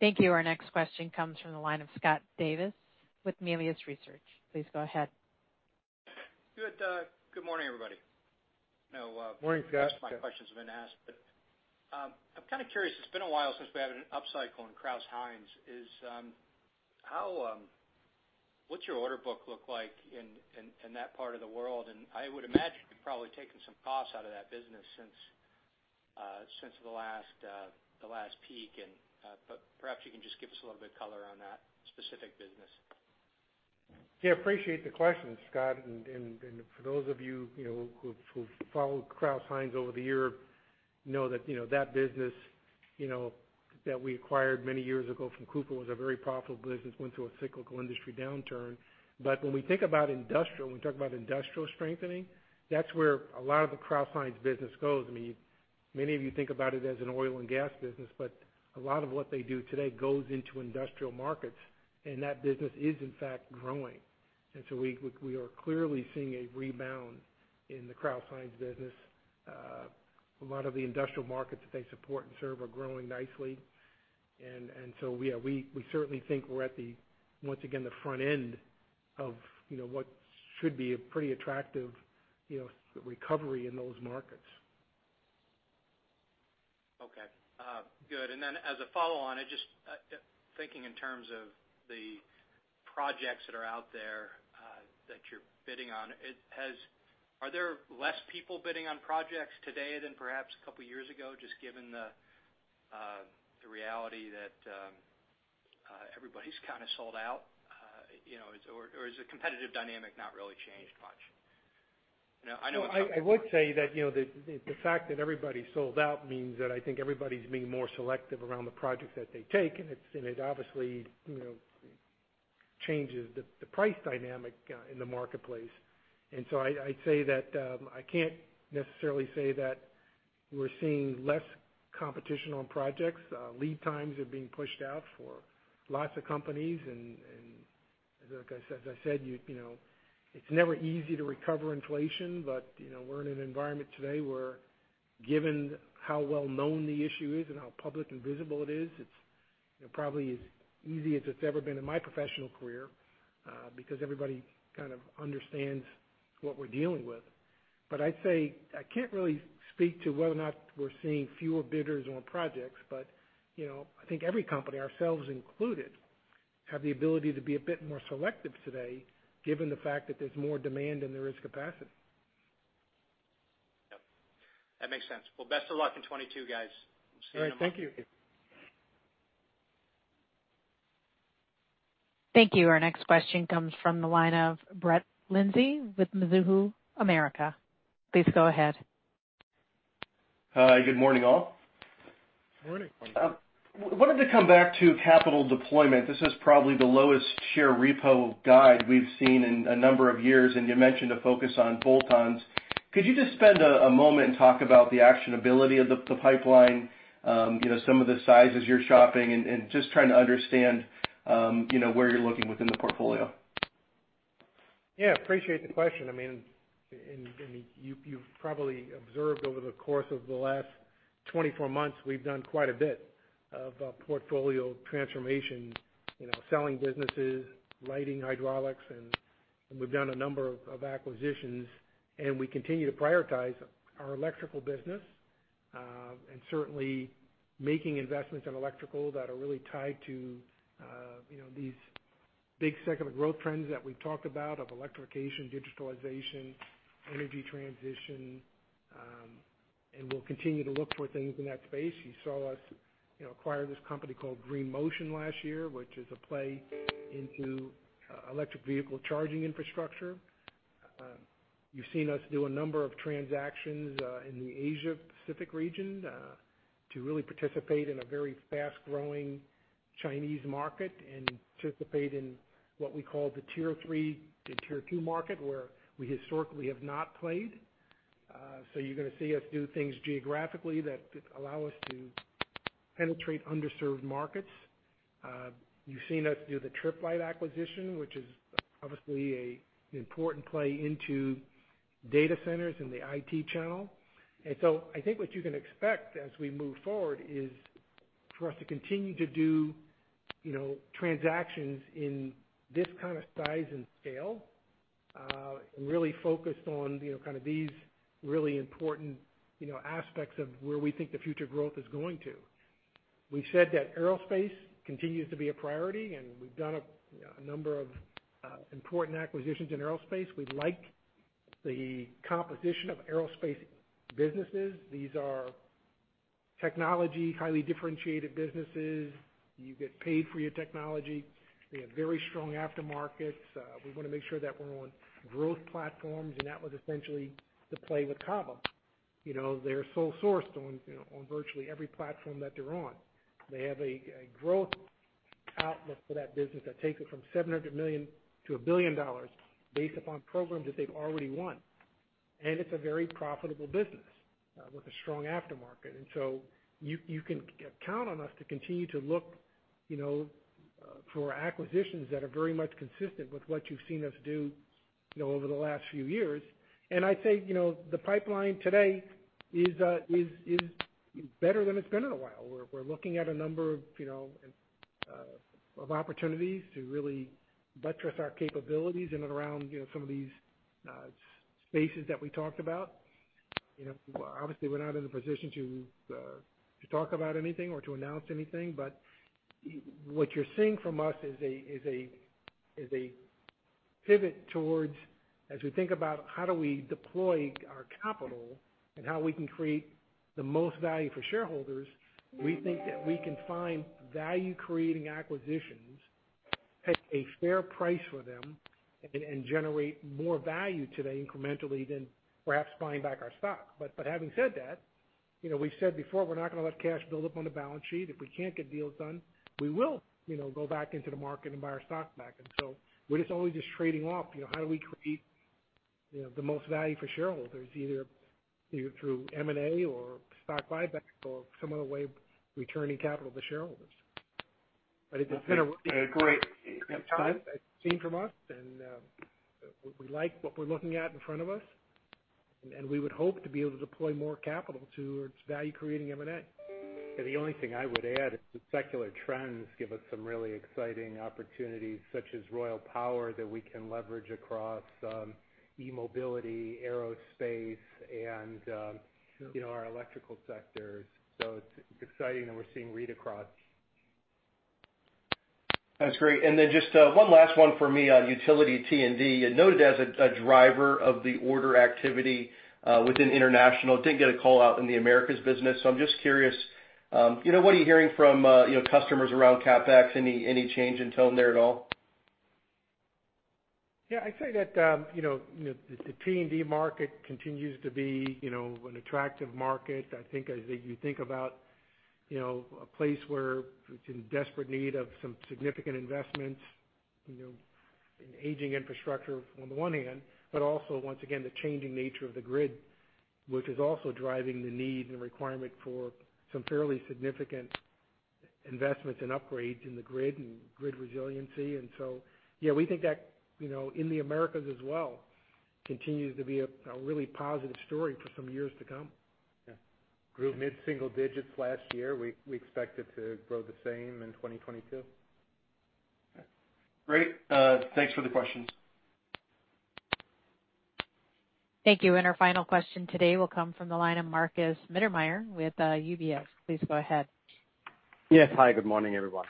[SPEAKER 1] Thank you. Our next question comes from the line of Scott Davis with Melius Research. Please go ahead.
[SPEAKER 14] Good morning, everybody.
[SPEAKER 3] Morning, Scott.
[SPEAKER 14] Most of my questions have been asked, but I'm kinda curious. It's been a while since we had an upcycle in Crouse-Hinds. What's your order book look like in that part of the world? I would imagine you've probably taken some costs out of that business since the last peak, but perhaps you can just give us a little bit of color on that specific business.
[SPEAKER 3] Yeah, I appreciate the question, Scott. For those of you know, who've followed Crouse-Hinds over the years know that business that we acquired many years ago from Cooper was a very profitable business, went through a cyclical industry downturn. When we think about industrial, when we talk about industrial strengthening, that's where a lot of the Crouse-Hinds business goes. I mean, many of you think about it as an oil and gas business, but a lot of what they do today goes into industrial markets, and that business is in fact growing. We are clearly seeing a rebound in the Crouse-Hinds business. A lot of the industrial markets that they support and serve are growing nicely. We certainly think we're at the, once again, the front end of what should be a pretty attractive recovery in those markets.
[SPEAKER 14] Okay. Good. As a follow on it, just thinking in terms of the projects that are out there that you're bidding on. Are there less people bidding on projects today than perhaps a couple years ago, just given the reality that everybody's kinda sold out, you know? Or has the competitive dynamic not really changed much? You know, I know it's-
[SPEAKER 3] Well, I would say that the fact that everybody's sold out means that I think everybody's being more selective around the projects that they take. It obviously changes the price dynamic in the marketplace. I'd say that I can't necessarily say that we're seeing less competition on projects. Lead times are being pushed out for lots of companies. Like I said, it's never easy to recover inflation, but we're in an environment today where given how well known the issue is and how public and visible it is, it's probably as easy as it's ever been in my professional career, because everybody kind of understands what we're dealing with. I'd say I can't really speak to whether or not we're seeing fewer bidders on projects. I think every company, ourselves included, have the ability to be a bit more selective today given the fact that there's more demand than there is capacity.
[SPEAKER 14] Yep, that makes sense. Well, best of luck in 2022, guys. See you next time.
[SPEAKER 3] All right, thank you.
[SPEAKER 1] Thank you. Our next question comes from the line of Brett Linzey with Mizuho. Please go ahead.
[SPEAKER 15] Hi. Good morning, all.
[SPEAKER 3] Morning.
[SPEAKER 15] I wanted to come back to capital deployment. This is probably the lowest share repurchase guide we've seen in a number of years, and you mentioned a focus on bolt-ons. Could you just spend a moment and talk about the actionability of the pipeline, some of the sizes you're shopping, and just trying to understand where you're looking within the portfolio?
[SPEAKER 3] Yeah, I appreciate the question. I mean, and you've probably observed over the course of the last 24 months, we've done quite a bit of portfolio transformation. Selling businesses, lighting, hydraulics, and we've done a number of acquisitions. We continue to prioritize our electrical business, and certainly making investments in electrical that are really tied to these big secular growth trends that we've talked about of electrification, digitalization, energy transition. We'll continue to look for things in that space. You saw us acquire this company called Green Motion last year, which is a play into electric vehicle charging infrastructure. You've seen us do a number of transactions in the Asia Pacific region to really participate in a very fast-growing Chinese market and participate in what we call the tier three to tier two market, where we historically have not played. You're gonna see us do things geographically that allow us to penetrate underserved markets. You've seen us do the Tripp Lite acquisition, which is obviously an important play into data centers in the IT channel. I think what you can expect as we move forward is for us to continue to do transactions in this kind of size and scale and really focused on kind of these really important aspects of where we think the future growth is going to. We said that aerospace continues to be a priority, and we've done a number of important acquisitions in aerospace. We like the composition of aerospace businesses. These are technology, highly differentiated businesses. You get paid for your technology. They have very strong aftermarkets. We wanna make sure that we're on growth platforms, and that was essentially the play with Cobham. They're sole sourced on virtually every platform that they're on. They have a growth outlook for that business that takes it from $700 million-$1 billion based upon programs that they've already won. It's a very profitable business with a strong aftermarket. You can count on us to continue to look for acquisitions that are very much consistent with what you've seen us do over the last few years. I'd say the pipeline today is better than it's been in a while. We're looking at a number of opportunities to really buttress our capabilities in and around some of these spaces that we talked about. Obviously, we're not in a position to talk about anything or to announce anything, but what you're seeing from us is a pivot towards, as we think about how we deploy our capital and how we can create the most value for shareholders, we think that we can find value-creating acquisitions at a fair price for them and generate more value today incrementally than perhaps buying back our stock. Having said that, we've said before, we're not gonna let cash build up on the balance sheet. If we can't get deals done, we will go back into the market and buy our stock back. We're just always just trading off, how do we create the most value for shareholders, either through M&A or stock buyback or some other way of returning capital to shareholders. It's been a-
[SPEAKER 15] Okay, great.
[SPEAKER 3] That's all I've seen from us, and we like what we're looking at in front of us, and we would hope to be able to deploy more capital towards value-creating M&A.
[SPEAKER 8] Yeah, the only thing I would add is the secular trends give us some really exciting opportunities, such as Royal Power Solutions, that we can leverage across eMobility, aerospace, and our electrical sectors. It's exciting that we're seeing read-through.
[SPEAKER 15] That's great. Just one last one for me on utility T&D. You noted as a driver of the order activity within international, didn't get a call out in the Americas business. I'm just curious, what are you hearing from customers around CapEx? Any change in tone there at all?
[SPEAKER 3] Yeah, I'd say that the T&D market continues to be an attractive market. I think as you think about a place where it's in desperate need of some significant investments, you know, an aging infrastructure on the one hand, but also, once again, the changing nature of the grid, which is also driving the need and requirement for some fairly significant investments and upgrades in the grid and grid resiliency. Yeah, we think that in the Americas as well, continues to be a really positive story for some years to come.
[SPEAKER 2] Yeah. Grew mid-single digits last year. We expect it to grow the same in 2022.
[SPEAKER 3] Great. Thanks for the questions.
[SPEAKER 1] Thank you. Our final question today will come from the line of Markus Mittermaier with UBS. Please go ahead.
[SPEAKER 16] Yes. Hi, good morning, everyone.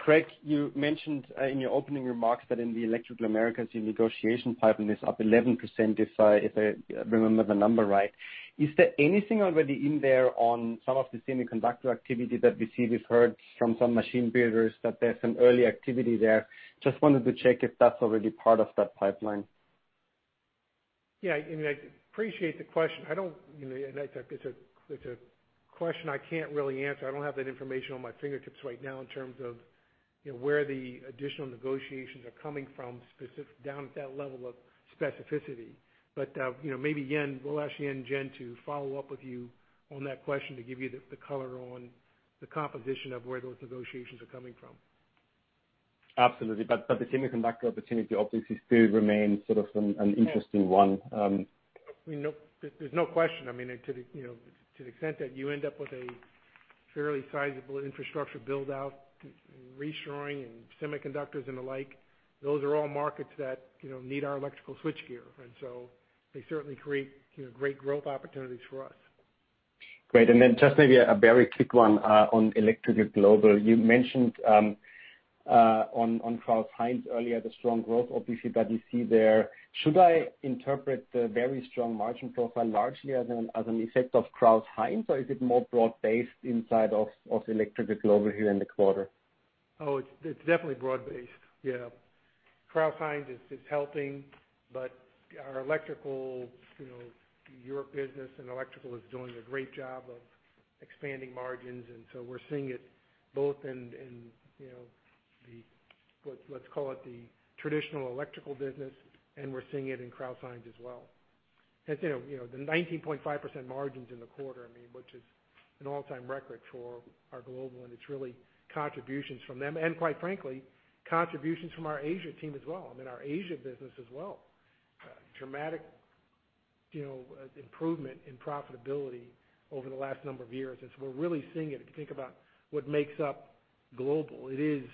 [SPEAKER 16] Craig, you mentioned in your opening remarks that in Electrical Americas, your negotiation pipeline is up 11%, if I remember the number right. Is there anything already in there on some of the semiconductor activity that we see? We've heard from some machine builders that there's some early activity there. Just wanted to check if that's already part of that pipeline.
[SPEAKER 3] Yeah. I mean, I appreciate the question. I don't, you know, it's a question I can't really answer. I don't have that information at my fingertips right now in terms of where the additional negotiations are coming from down at that level of specificity. But maybe Yan, we'll ask Yan to follow up with you on that question to give you the color on the composition of where those negotiations are coming from.
[SPEAKER 16] Absolutely. The semiconductor opportunity obviously still remains sort of an interesting one.
[SPEAKER 3] We know. There's no question. I mean, to the extent that you end up with a fairly sizable infrastructure build-out, re-shoring and semiconductors and the like, those are all markets that need our electrical switchgear. So they certainly create great growth opportunities for us.
[SPEAKER 16] Great. Just maybe a very quick one on Electrical Global. You mentioned on Crouse-Hinds earlier, the strong growth obviously that you see there. Should I interpret the very strong margin profile largely as an effect of Crouse-Hinds, or is it more broad-based inside of Electrical Global here in the quarter?
[SPEAKER 3] Oh, it's definitely broad-based. Yeah. Crouse-Hinds is helping, but our Electrical Europe business and Electrical is doing a great job of expanding margins, and so we're seeing it both in the, let's call it the traditional Electrical business, and we're seeing it in Crouse-Hinds as well. As you know, the 19.5% margins in the quarter, I mean, which is an all-time record for our Electrical Global, and it's really contributions from them and quite frankly, contributions from our Asia team as well. I mean, our Asia business as well, dramatic improvement in profitability over the last number of years as we're really seeing it. If you think about what makes up Electrical Global, it is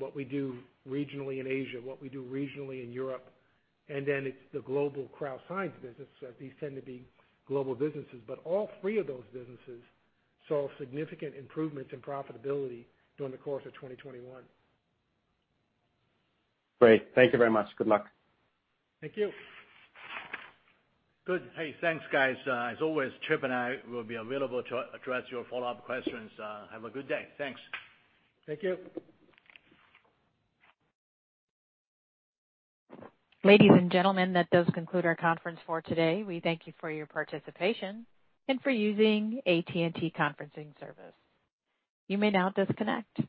[SPEAKER 3] what we do regionally in Asia, what we do regionally in Europe, and then it's the global Crouse-Hinds business. These tend to be global businesses. All three of those businesses saw significant improvements in profitability during the course of 2021.
[SPEAKER 16] Great. Thank you very much. Good luck.
[SPEAKER 3] Thank you.
[SPEAKER 2] Good. Hey, thanks, guys. As always, Tripp Lite and I will be available to address your follow-up questions. Have a good day. Thanks.
[SPEAKER 3] Thank you.
[SPEAKER 1] Ladies and gentlemen, that does conclude our conference for today. We thank you for your participation and for using AT&T Teleconference. You may now disconnect.